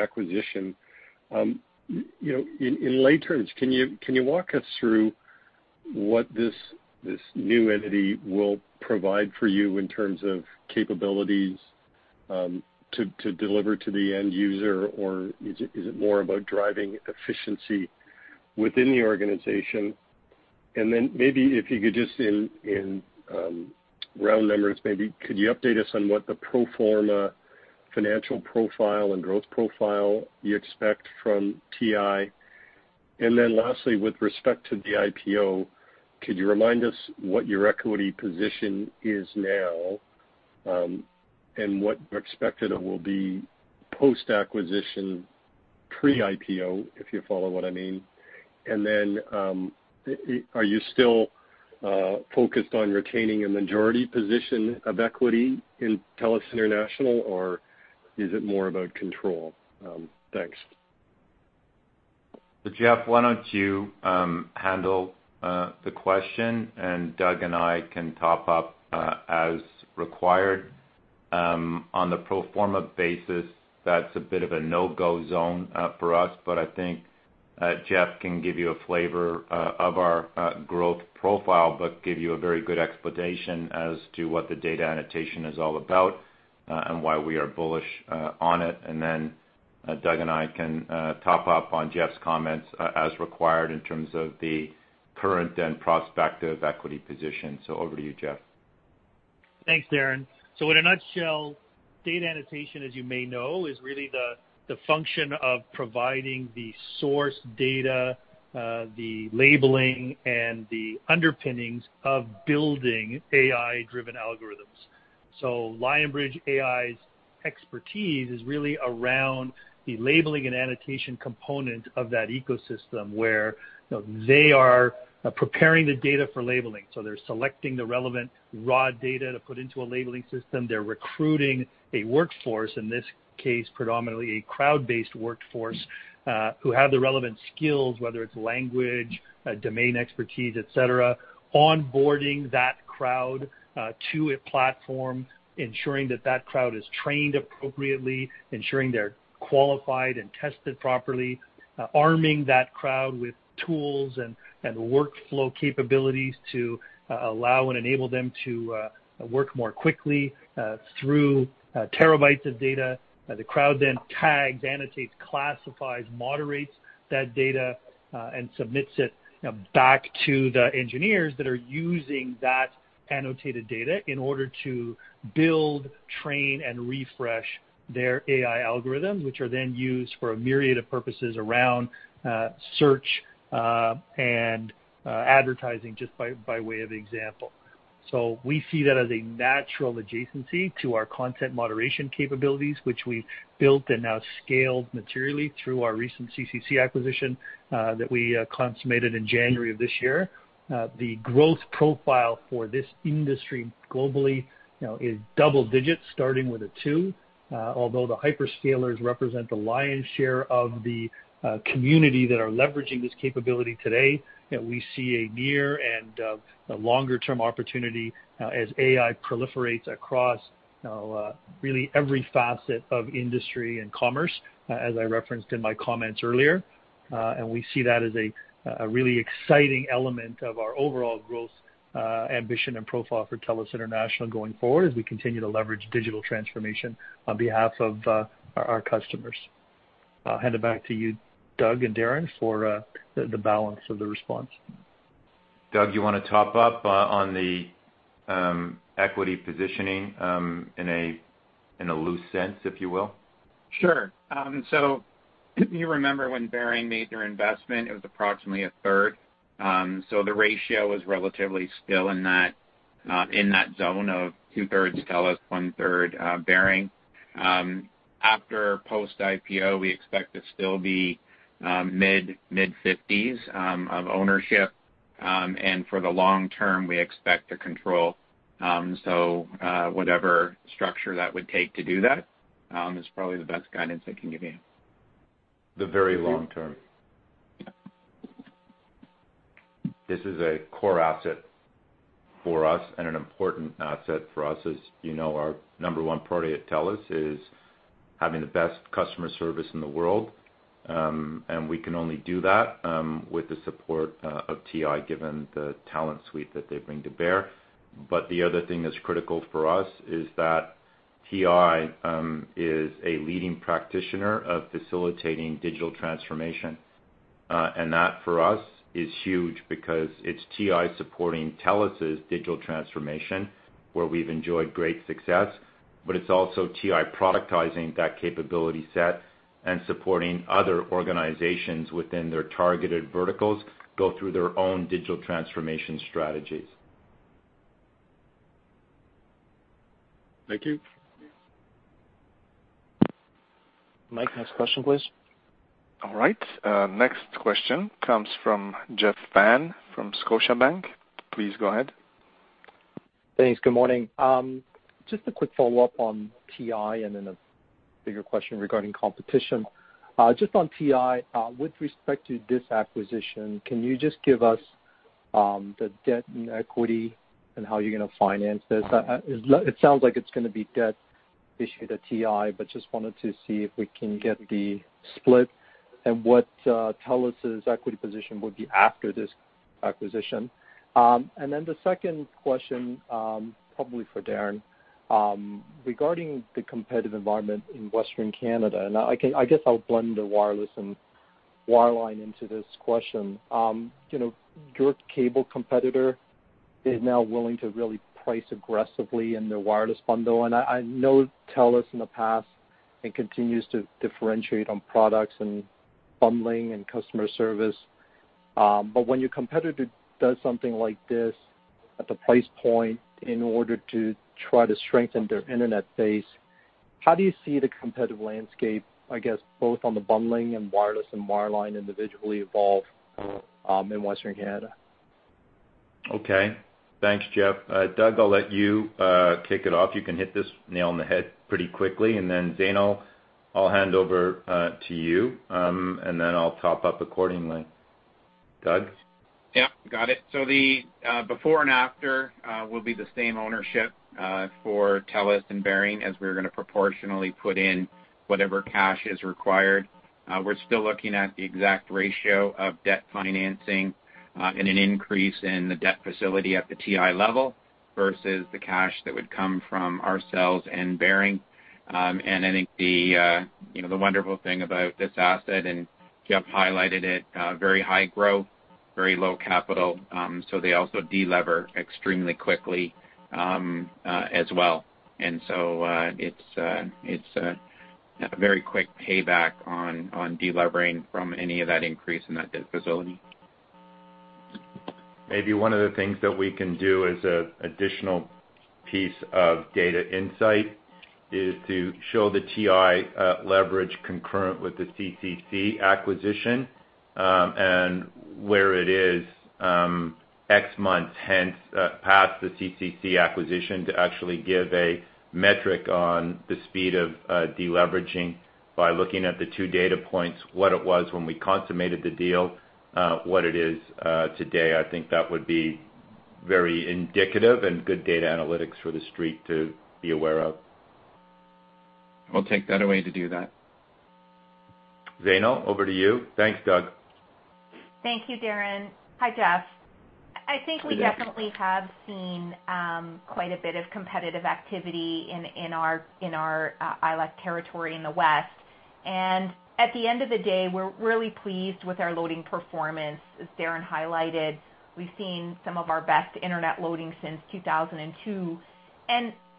H: acquisition. In lay terms, can you walk us through what this new entity will provide for you in terms of capabilities to deliver to the end user, or is it more about driving efficiency within the organization? Maybe if you could just in round numbers, maybe could you update us on what the pro forma financial profile and growth profile you expect from TI? Lastly, with respect to the IPO, could you remind us what your equity position is now? What you expect it will be post-acquisition, pre-IPO, if you follow what I mean. Are you still focused on retaining a majority position of equity in TELUS International, or is it more about control? Thanks.
C: Jeff, why don't you handle the question, and Doug and I can top up as required. On the pro forma basis, that's a bit of a no-go zone for us. I think Jeff can give you a flavor of our growth profile, but give you a very good explanation as to what the data annotation is all about and why we are bullish on it. Doug and I can top up on Jeff's comments as required in terms of the current and prospective equity position. Over to you, Jeff.
D: Thanks, Darren. In a nutshell, data annotation, as you may know, is really the function of providing the source data, the labeling, and the underpinnings of building AI-driven algorithms. Lionbridge AI's expertise is really around the labeling and annotation component of that ecosystem where they are preparing the data for labeling. They're recruiting a workforce, in this case predominantly a crowd-based workforce who have the relevant skills, whether it's language, domain expertise, et cetera, onboarding that crowd to a platform, ensuring that that crowd is trained appropriately, ensuring they're qualified and tested properly, arming that crowd with tools and workflow capabilities to allow and enable them to work more quickly through terabytes of data. The crowd then tags, annotates, classifies, moderates that data and submits it back to the engineers that are using that annotated data in order to build, train, and refresh their AI algorithms, which are then used for a myriad of purposes around search and advertising, just by way of example. We see that as a natural adjacency to our content moderation capabilities, which we've built and now scaled materially through our recent CCC acquisition that we consummated in January of this year. The growth profile for this industry globally is double digits starting with a two. Although the hyperscalers represent the lion's share of the community that are leveraging this capability today, we see a near and longer-term opportunity as AI proliferates across really every facet of industry and commerce, as I referenced in my comments earlier. We see that as a really exciting element of our overall growth ambition and profile for TELUS International going forward as we continue to leverage digital transformation on behalf of our customers. I'll hand it back to you, Doug and Darren, for the balance of the response.
C: Doug, you want to top up on the equity positioning in a loose sense, if you will?
E: Sure. If you remember when Baring made their investment, it was approximately a third. The ratio is relatively still in that zone of 2/3 TELUS, 1/3 Baring. After post-IPO, we expect to still be mid-50s of ownership. For the long term, we expect to control. Whatever structure that would take to do that is probably the best guidance I can give you.
C: The very long term.
E: Yeah.
C: This is a core asset for us and an important asset for us. We can only do that with the support of TI given the talent suite that they bring to bear. The other thing that's critical for us is that TI is a leading practitioner of facilitating digital transformation. That, for us, is huge because it's TI supporting TELUS's digital transformation, where we've enjoyed great success, but it's also TI productizing that capability set and supporting other organizations within their targeted verticals go through their own digital transformation strategies.
H: Thank you.
B: Mike, next question, please.
A: All right. Next question comes from Jeff Fan from Scotiabank. Please go ahead.
I: Thanks. Good morning. Just a quick follow-up on TI and then a bigger question regarding competition. Just on TI, with respect to this acquisition, can you just give us the debt and equity and how you're going to finance this? It sounds like it's going to be debt issued at TI. Just wanted to see if we can get the split and what TELUS's equity position would be after this acquisition. The second question, probably for Darren, regarding the competitive environment in Western Canada. I guess I'll blend the wireless and wireline into this question. Your cable competitor is now willing to really price aggressively in their wireless bundle. I know TELUS in the past. Continues to differentiate on products and bundling and customer service. When your competitor does something like this at the price point in order to try to strengthen their internet base, how do you see the competitive landscape, I guess, both on the bundling and wireless and wireline individually evolve in Western Canada?
C: Okay. Thanks, Jeff. Doug, I'll let you kick it off. You can hit this nail on the head pretty quickly, and then, Zainul, I'll hand over to you, and then I'll top up accordingly. Doug?
E: Yeah, got it. The before and after will be the same ownership for TELUS and Baring as we're going to proportionally put in whatever cash is required. We're still looking at the exact ratio of debt financing and an increase in the debt facility at the TI level versus the cash that would come from ourselves and Baring. I think the wonderful thing about this asset, and Jeff highlighted it, very high growth, very low capital, so they also de-lever extremely quickly as well. It's a very quick payback on de-levering from any of that increase in that debt facility.
C: Maybe one of the things that we can do as an additional piece of data insight is to show the TI leverage concurrent with the CCC acquisition, and where it is X months hence past the CCC acquisition to actually give a metric on the speed of de-leveraging by looking at the two data points, what it was when we consummated the deal, what it is today. I think that would be very indicative and good data analytics for the street to be aware of.
E: We'll take that away to do that.
C: Zainul, over to you. Thanks, Doug.
J: Thank you, Darren. Hi, Jeff.
I: Hi, ZaINU.
J: I think we definitely have seen quite a bit of competitive activity in our ILEC territory in the West. At the end of the day, we're really pleased with our loading performance. As Darren highlighted, we've seen some of our best internet loading since 2002.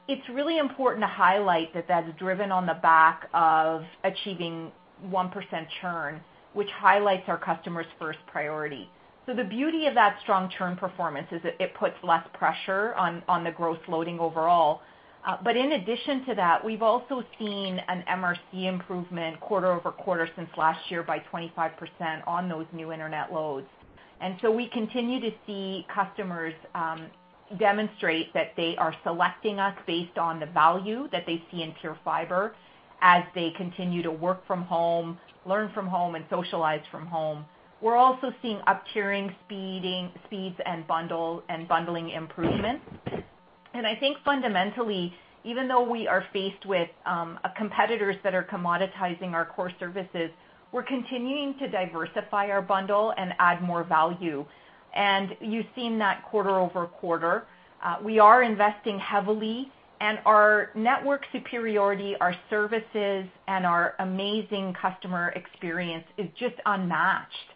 J: It's really important to highlight that is driven on the back of achieving 1% churn, which highlights our customers' first priority. The beauty of that strong churn performance is that it puts less pressure on the growth loading overall. In addition to that, we've also seen an MRC improvement quarter-over-quarter since last year by 25% on those new internet loads. We continue to see customers demonstrate that they are selecting us based on the value that they see in PureFibre as they continue to work from home, learn from home, and socialize from home. We're also seeing up-tiering, speeds, and bundling improvements. I think fundamentally, even though we are faced with competitors that are commoditizing our core services, we're continuing to diversify our bundle and add more value. You've seen that quarter-over-quarter. We are investing heavily and our network superiority, our services, and our amazing customer experience is just unmatched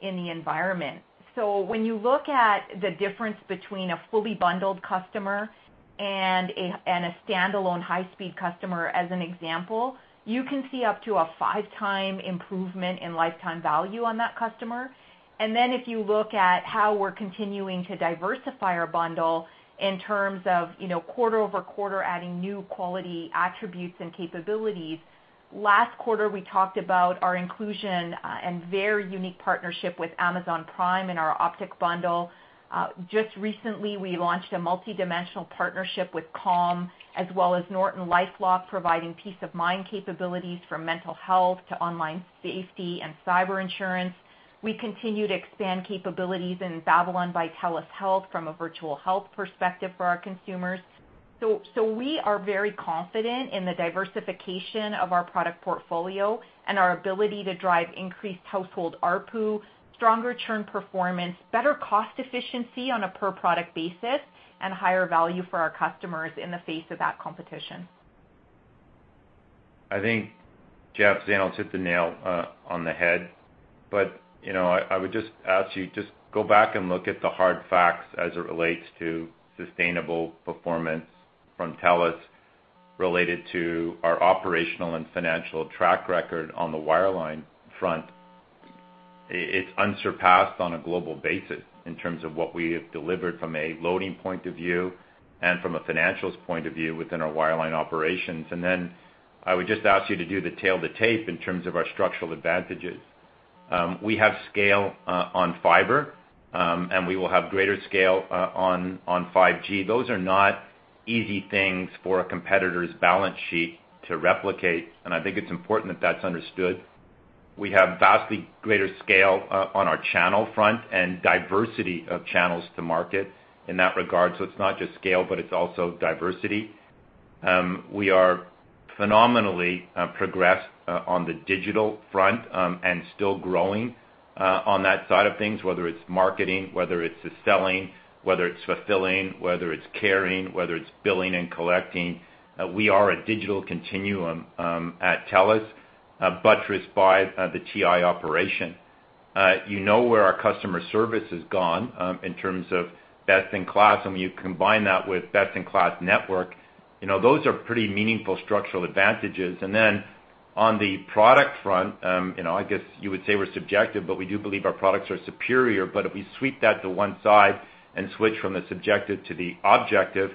J: in the environment. When you look at the difference between a fully bundled customer and a standalone high-speed customer, as an example, you can see up to a 5x improvement in lifetime value on that customer. Then if you look at how we're continuing to diversify our bundle in terms of quarter-over-quarter, adding new quality attributes and capabilities. Last quarter, we talked about our inclusion and very unique partnership with Amazon Prime and our Optik bundle. Just recently, we launched a multidimensional partnership with Calm as well as NortonLifeLock, providing peace of mind capabilities from mental health to online safety and cyber insurance. We continue to expand capabilities in Babylon by TELUS Health from a virtual health perspective for our consumers. We are very confident in the diversification of our product portfolio and our ability to drive increased household ARPU, stronger churn performance, better cost efficiency on a per product basis, and higher value for our customers in the face of that competition.
C: I think Jeff Fan hit the nail on the head. I would just ask you, just go back and look at the hard facts as it relates to sustainable performance from TELUS related to our operational and financial track record on the wireline front. It's unsurpassed on a global basis in terms of what we have delivered from a loading point of view and from a financials point of view within our wireline operations. I would just ask you to do the tail to tape in terms of our structural advantages. We have scale on fibre, and we will have greater scale on 5G. Those are not easy things for a competitor's balance sheet to replicate, and I think it's important that that's understood. We have vastly greater scale on our channel front and diversity of channels to market in that regard. It's not just scale, but it's also diversity. We are phenomenally progressed on the digital front, and still growing on that side of things, whether it's marketing, whether it's the selling, whether it's fulfilling, whether it's carrying, whether it's billing and collecting. We are a digital continuum at TELUS, buttressed by the TI operation. You know where our customer service has gone in terms of best in class, and when you combine that with best in class network, those are pretty meaningful structural advantages. Then on the product front, I guess you would say we're subjective, but we do believe our products are superior. If we sweep that to one side and switch from the subjective to the objective,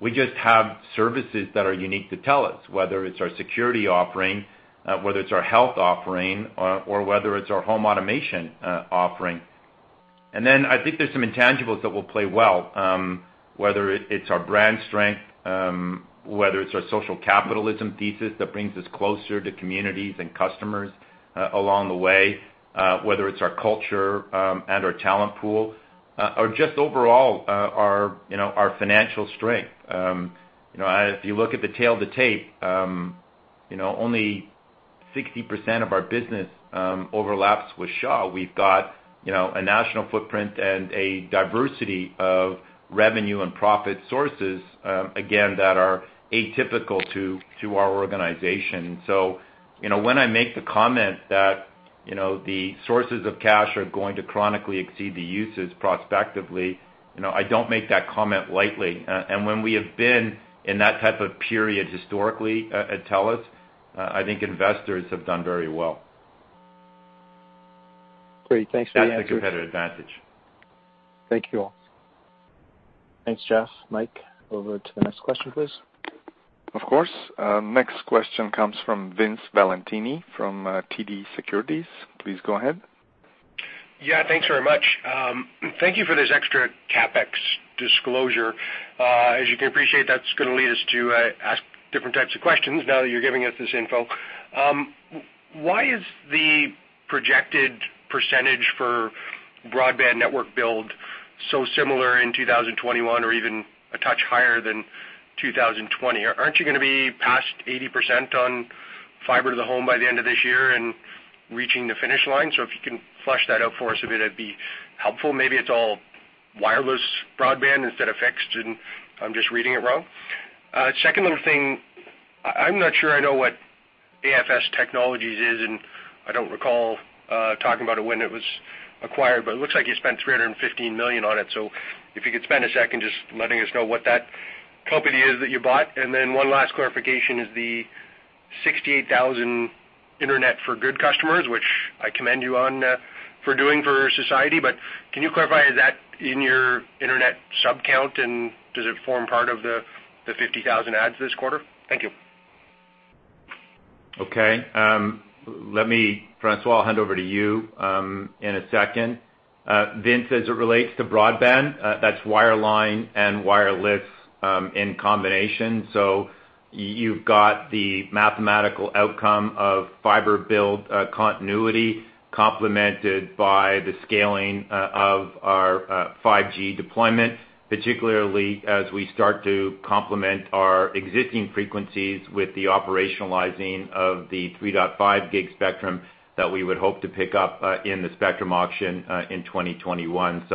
C: we just have services that are unique to TELUS, whether it's our security offering, whether it's our health offering, or whether it's our home automation offering. I think there's some intangibles that will play well, whether it's our brand strength, whether it's our social capitalism thesis that brings us closer to communities and customers along the way, whether it's our culture and our talent pool, or just overall our financial strength. If you look at the tale of the tape, only 60% of our business overlaps with Shaw. We've got a national footprint and a diversity of revenue and profit sources, again, that are atypical to our organization. When I make the comment that the sources of cash are going to chronically exceed the uses prospectively, I don't make that comment lightly. When we have been in that type of period historically at TELUS, I think investors have done very well.
I: Great. Thanks for the answers.
C: That's the competitive advantage.
I: Thank you.
B: Thanks, Jeff. Mike, over to the next question, please.
A: Of course. Next question comes from Vince Valentini from TD Securities. Please go ahead.
K: Yeah, thanks very much. Thank you for this extra CapEx disclosure. As you can appreciate, that's going to lead us to ask different types of questions now that you're giving us this info. Why is the projected % for broadband network build so similar in 2021 or even a touch higher than 2020? Aren't you going to be past 80% on fiber to the home by the end of this year and reaching the finish line? If you can flush that out for us a bit, it'd be helpful. Maybe it's all wireless broadband instead of fixed, and I'm just reading it wrong. Second little thing. I'm not sure I know what AFS Technologies is, and I don't recall talking about it when it was acquired, but it looks like you spent 315 million on it. If you could spend a second just letting us know what that company is that you bought. One last clarification is the 68,000 Internet for Good customers, which I commend you on for doing for society. Can you clarify, is that in your internet sub count, and does it form part of the 50,000 adds this quarter? Thank you.
C: Okay. François, I'll hand over to you in a second. Vince, as it relates to broadband, that's wireline and wireless in combination. You've got the mathematical outcome of fiber build continuity complemented by the scaling of our 5G deployment, particularly as we start to complement our existing frequencies with the operationalizing of the 3.5 gig spectrum that we would hope to pick up in the spectrum auction in 2021.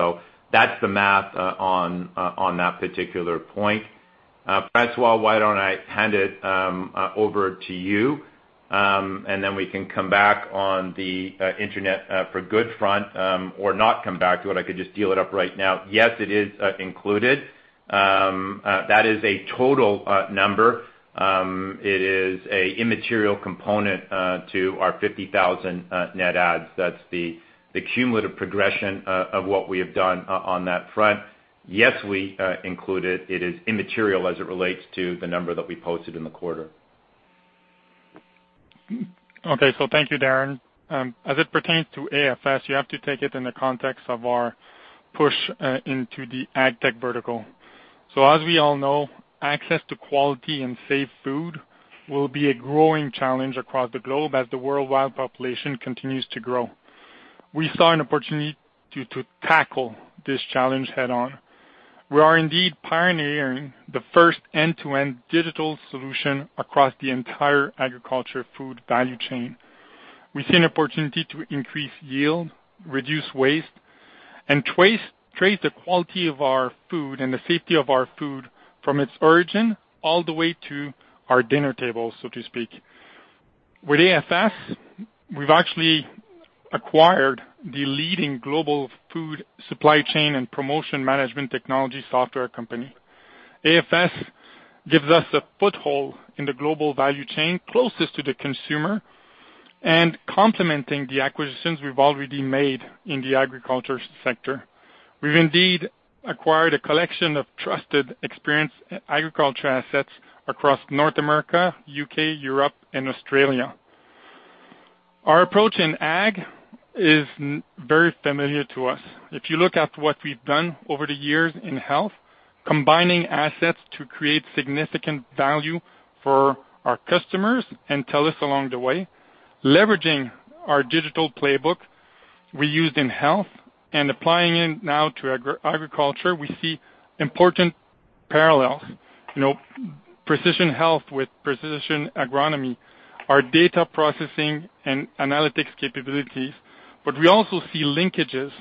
C: That's the math on that particular point. François, why don't I hand it over to you, and then we can come back on the Internet for Good front, or not come back to it. I could just deal it up right now. Yes, it is included. That is a total number. It is an immaterial component to our 50,000 net adds. That's the cumulative progression of what we have done on that front. Yes, we include it. It is immaterial as it relates to the number that we posted in the quarter.
L: Okay. Thank you, Darren. As it pertains to AFS, you have to take it in the context of our push into the AgTech vertical. As we all know, access to quality and safe food will be a growing challenge across the globe as the worldwide population continues to grow. We saw an opportunity to tackle this challenge head on. We are indeed pioneering the first end-to-end digital solution across the entire agriculture food value chain. We see an opportunity to increase yield, reduce waste and trace the quality of our food and the safety of our food from its origin all the way to our dinner table, so to speak. With AFS, we've actually acquired the leading global food supply chain and promotion management technology software company. AFS gives us a foothold in the global value chain closest to the consumer and complementing the acquisitions we've already made in the agriculture sector. We've indeed acquired a collection of trusted, experienced agriculture assets across North America, U.K., Europe, and Australia. Our approach in ag is very familiar to us. If you look at what we've done over the years in health, combining assets to create significant value for our customers and TELUS along the way, leveraging our digital playbook we used in health and applying it now to agriculture, we see important parallels. Precision health with precision agronomy, our data processing and analytics capabilities. We also see linkages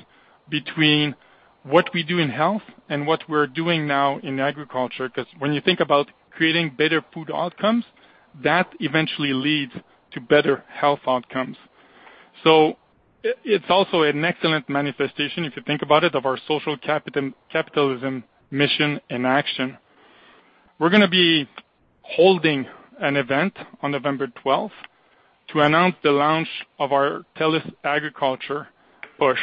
L: between what we do in health and what we're doing now in agriculture. Because when you think about creating better food outcomes, that eventually leads to better health outcomes. It's also an excellent manifestation, if you think about it, of our social capitalism mission in action. We're going to be holding an event on November 12th, 2020 to announce the launch of our TELUS Agriculture push.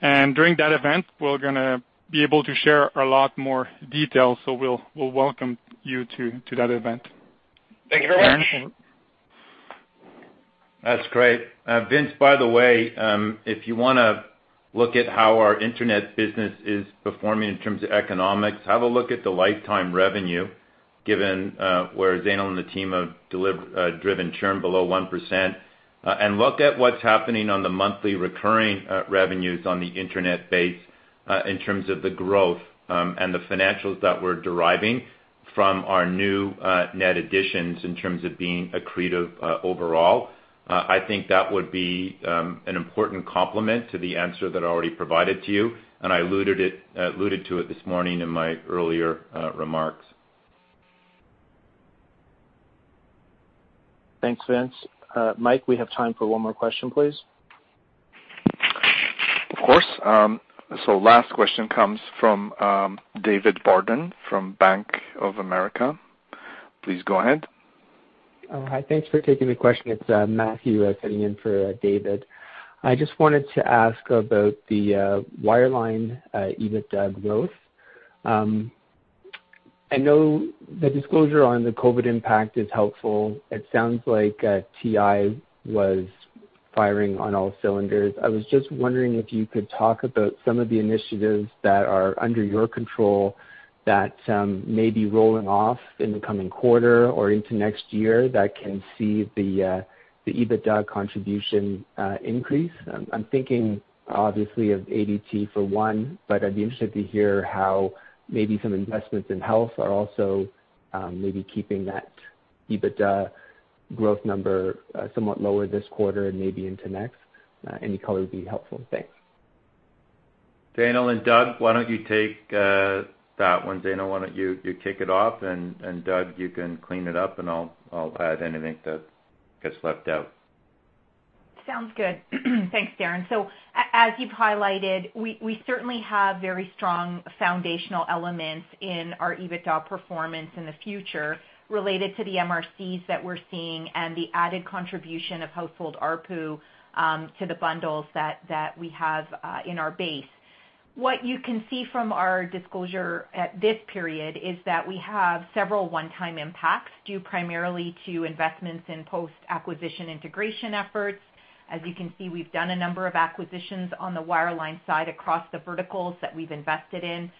L: During that event, we're going to be able to share a lot more details. We'll welcome you to that event.
K: Thank you very much.
L: Darren?
C: That's great. Vince, by the way, if you want to look at how our internet business is performing in terms of economics, have a look at the lifetime revenue given where Zainul and the team have driven churn below 1%. Look at what's happening on the monthly recurring revenues on the internet base in terms of the growth and the financials that we're deriving from our new net additions in terms of being accretive overall. I think that would be an important complement to the answer that I already provided to you, and I alluded to it this morning in my earlier remarks.
B: Thanks, Vince. Mike, we have time for one more question, please.
A: Of course. Last question comes from David Barden from Bank of America. Please go ahead.
M: Hi. Thanks for taking the question. It's Matthew sitting in for David. I just wanted to ask about the wireline EBITDA growth. I know the disclosure on the COVID impact is helpful. It sounds like TI was firing on all cylinders. I was just wondering if you could talk about some of the initiatives that are under your control that may be rolling off in the coming quarter or into next year that can see the EBITDA contribution increase. I'm thinking obviously of ADT for one, but I'd be interested to hear how maybe some investments in Health are also maybe keeping that EBITDA growth number somewhat lower this quarter and maybe into next. Any color would be helpful. Thanks.
C: Zainul and Doug, why don't you take that one? Zainul, why don't you kick it off, and Doug, you can clean it up, and I'll add anything that gets left out.
J: Sounds good. Thanks, Darren. As you've highlighted, we certainly have very strong foundational elements in our EBITDA performance in the future related to the MRCs that we're seeing and the added contribution of household ARPU to the bundles that we have in our base. What you can see from our disclosure at this period is that we have several one-time impacts due primarily to investments in post-acquisition integration efforts. As you can see, we've done a number of acquisitions on the wireline side across the verticals that we've invested in.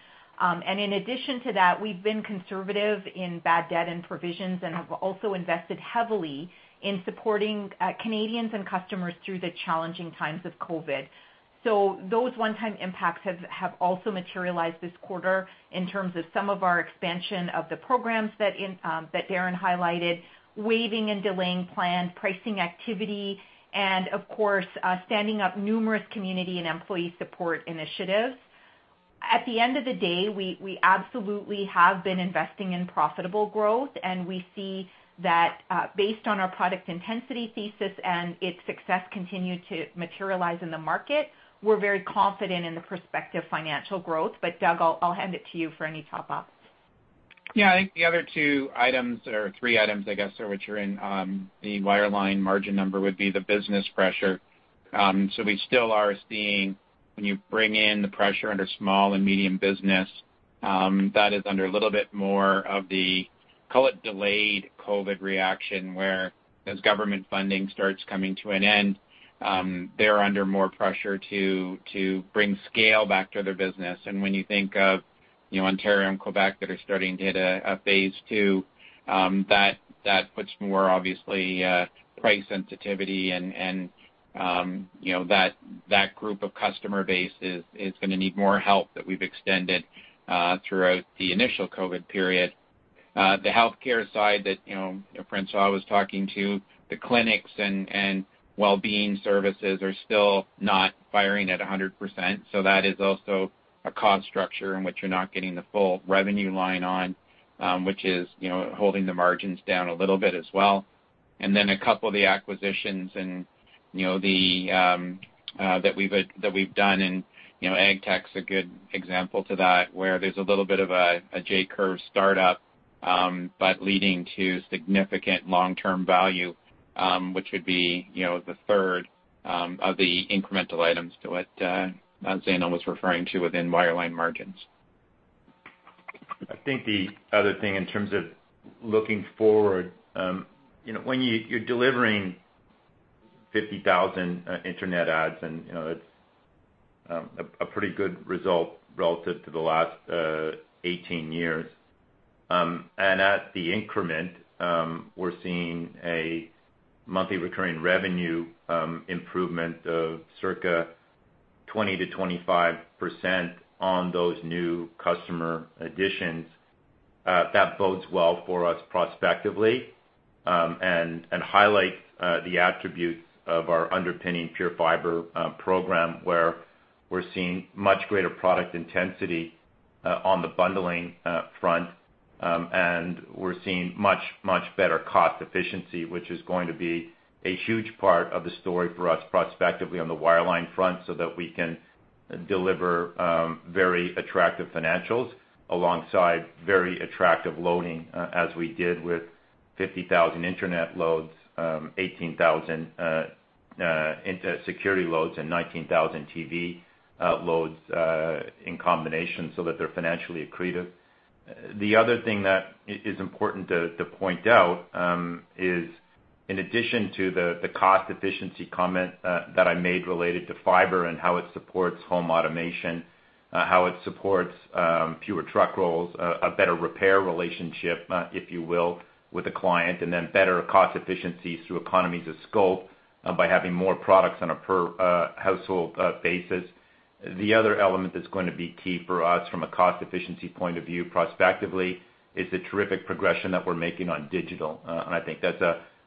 J: In addition to that, we've been conservative in bad debt and provisions and have also invested heavily in supporting Canadians and customers through the challenging times of COVID. Those one-time impacts have also materialized this quarter in terms of some of our expansion of the programs that Darren highlighted, waiving and delaying planned pricing activity, and of course, standing up numerous community and employee support initiatives. At the end of the day, we absolutely have been investing in profitable growth, and we see that based on our product intensity thesis and its success continue to materialize in the market, we're very confident in the prospective financial growth. Doug, I'll hand it to you for any top off.
E: Yeah, I think the other two items, or three items, I guess, which are in the wireline margin number would be the business pressure. We still are seeing when you bring in the pressure under small and medium business, that is under a little bit more of the, call it delayed COVID reaction, where as government funding starts coming to an end, they're under more pressure to bring scale back to their business. When you think of Ontario and Quebec that are starting to hit a phase II, that puts more obviously price sensitivity and that group of customer base is going to need more help that we've extended throughout the initial COVID period. The healthcare side that François was talking to, the clinics and wellbeing services are still not firing at 100%. That is also a cost structure in which you're not getting the full revenue line on, which is holding the margins down a little bit as well. Then a couple of the acquisitions that we've done, and AgTech's a good example to that, where there's a little bit of a J-curve startup, but leading to significant long-term value, which would be the third of the incremental items to what Zainul was referring to within wireline margins.
C: I think the other thing in terms of looking forward, when you're delivering 50,000 internet adds, it's a pretty good result relative to the last 18 years. At the increment, we're seeing a monthly recurring revenue improvement of circa 20%-25% on those new customer additions. That bodes well for us prospectively, and highlights the attributes of our underpinning TELUS PureFibre program, where we're seeing much greater product intensity on the bundling front. We're seeing much, much better cost efficiency, which is going to be a huge part of the story for us prospectively on the wireline front, so that we can deliver very attractive financials alongside very attractive loading, as we did with 50,000 internet loads, 18,000 security loads, and 19,000 TV loads in combination so that they're financially accretive. The other thing that is important to point out is in addition to the cost efficiency comment that I made related to fiber and how it supports home automation, how it supports fewer truck rolls, a better repair relationship, if you will, with a client, and then better cost efficiencies through economies of scope by having more products on a per household basis. The other element that's going to be key for us from a cost efficiency point of view prospectively is the terrific progression that we're making on digital. I think that's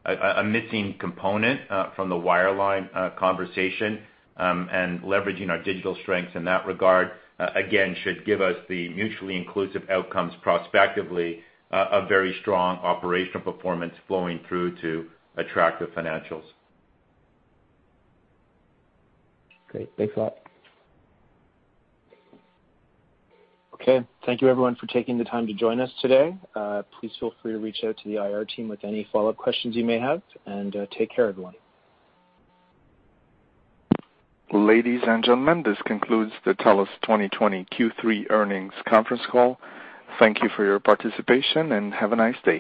C: a missing component from the wireline conversation. Leveraging our digital strengths in that regard, again, should give us the mutually inclusive outcomes prospectively, a very strong operational performance flowing through to attractive financials.
E: Great. Thanks a lot.
B: Okay. Thank you everyone for taking the time to join us today. Please feel free to reach out to the IR team with any follow-up questions you may have, and take care, everyone.
A: Ladies and gentlemen, this concludes the TELUS 2020 Q3 earnings conference call. Thank you for your participation, and have a nice day.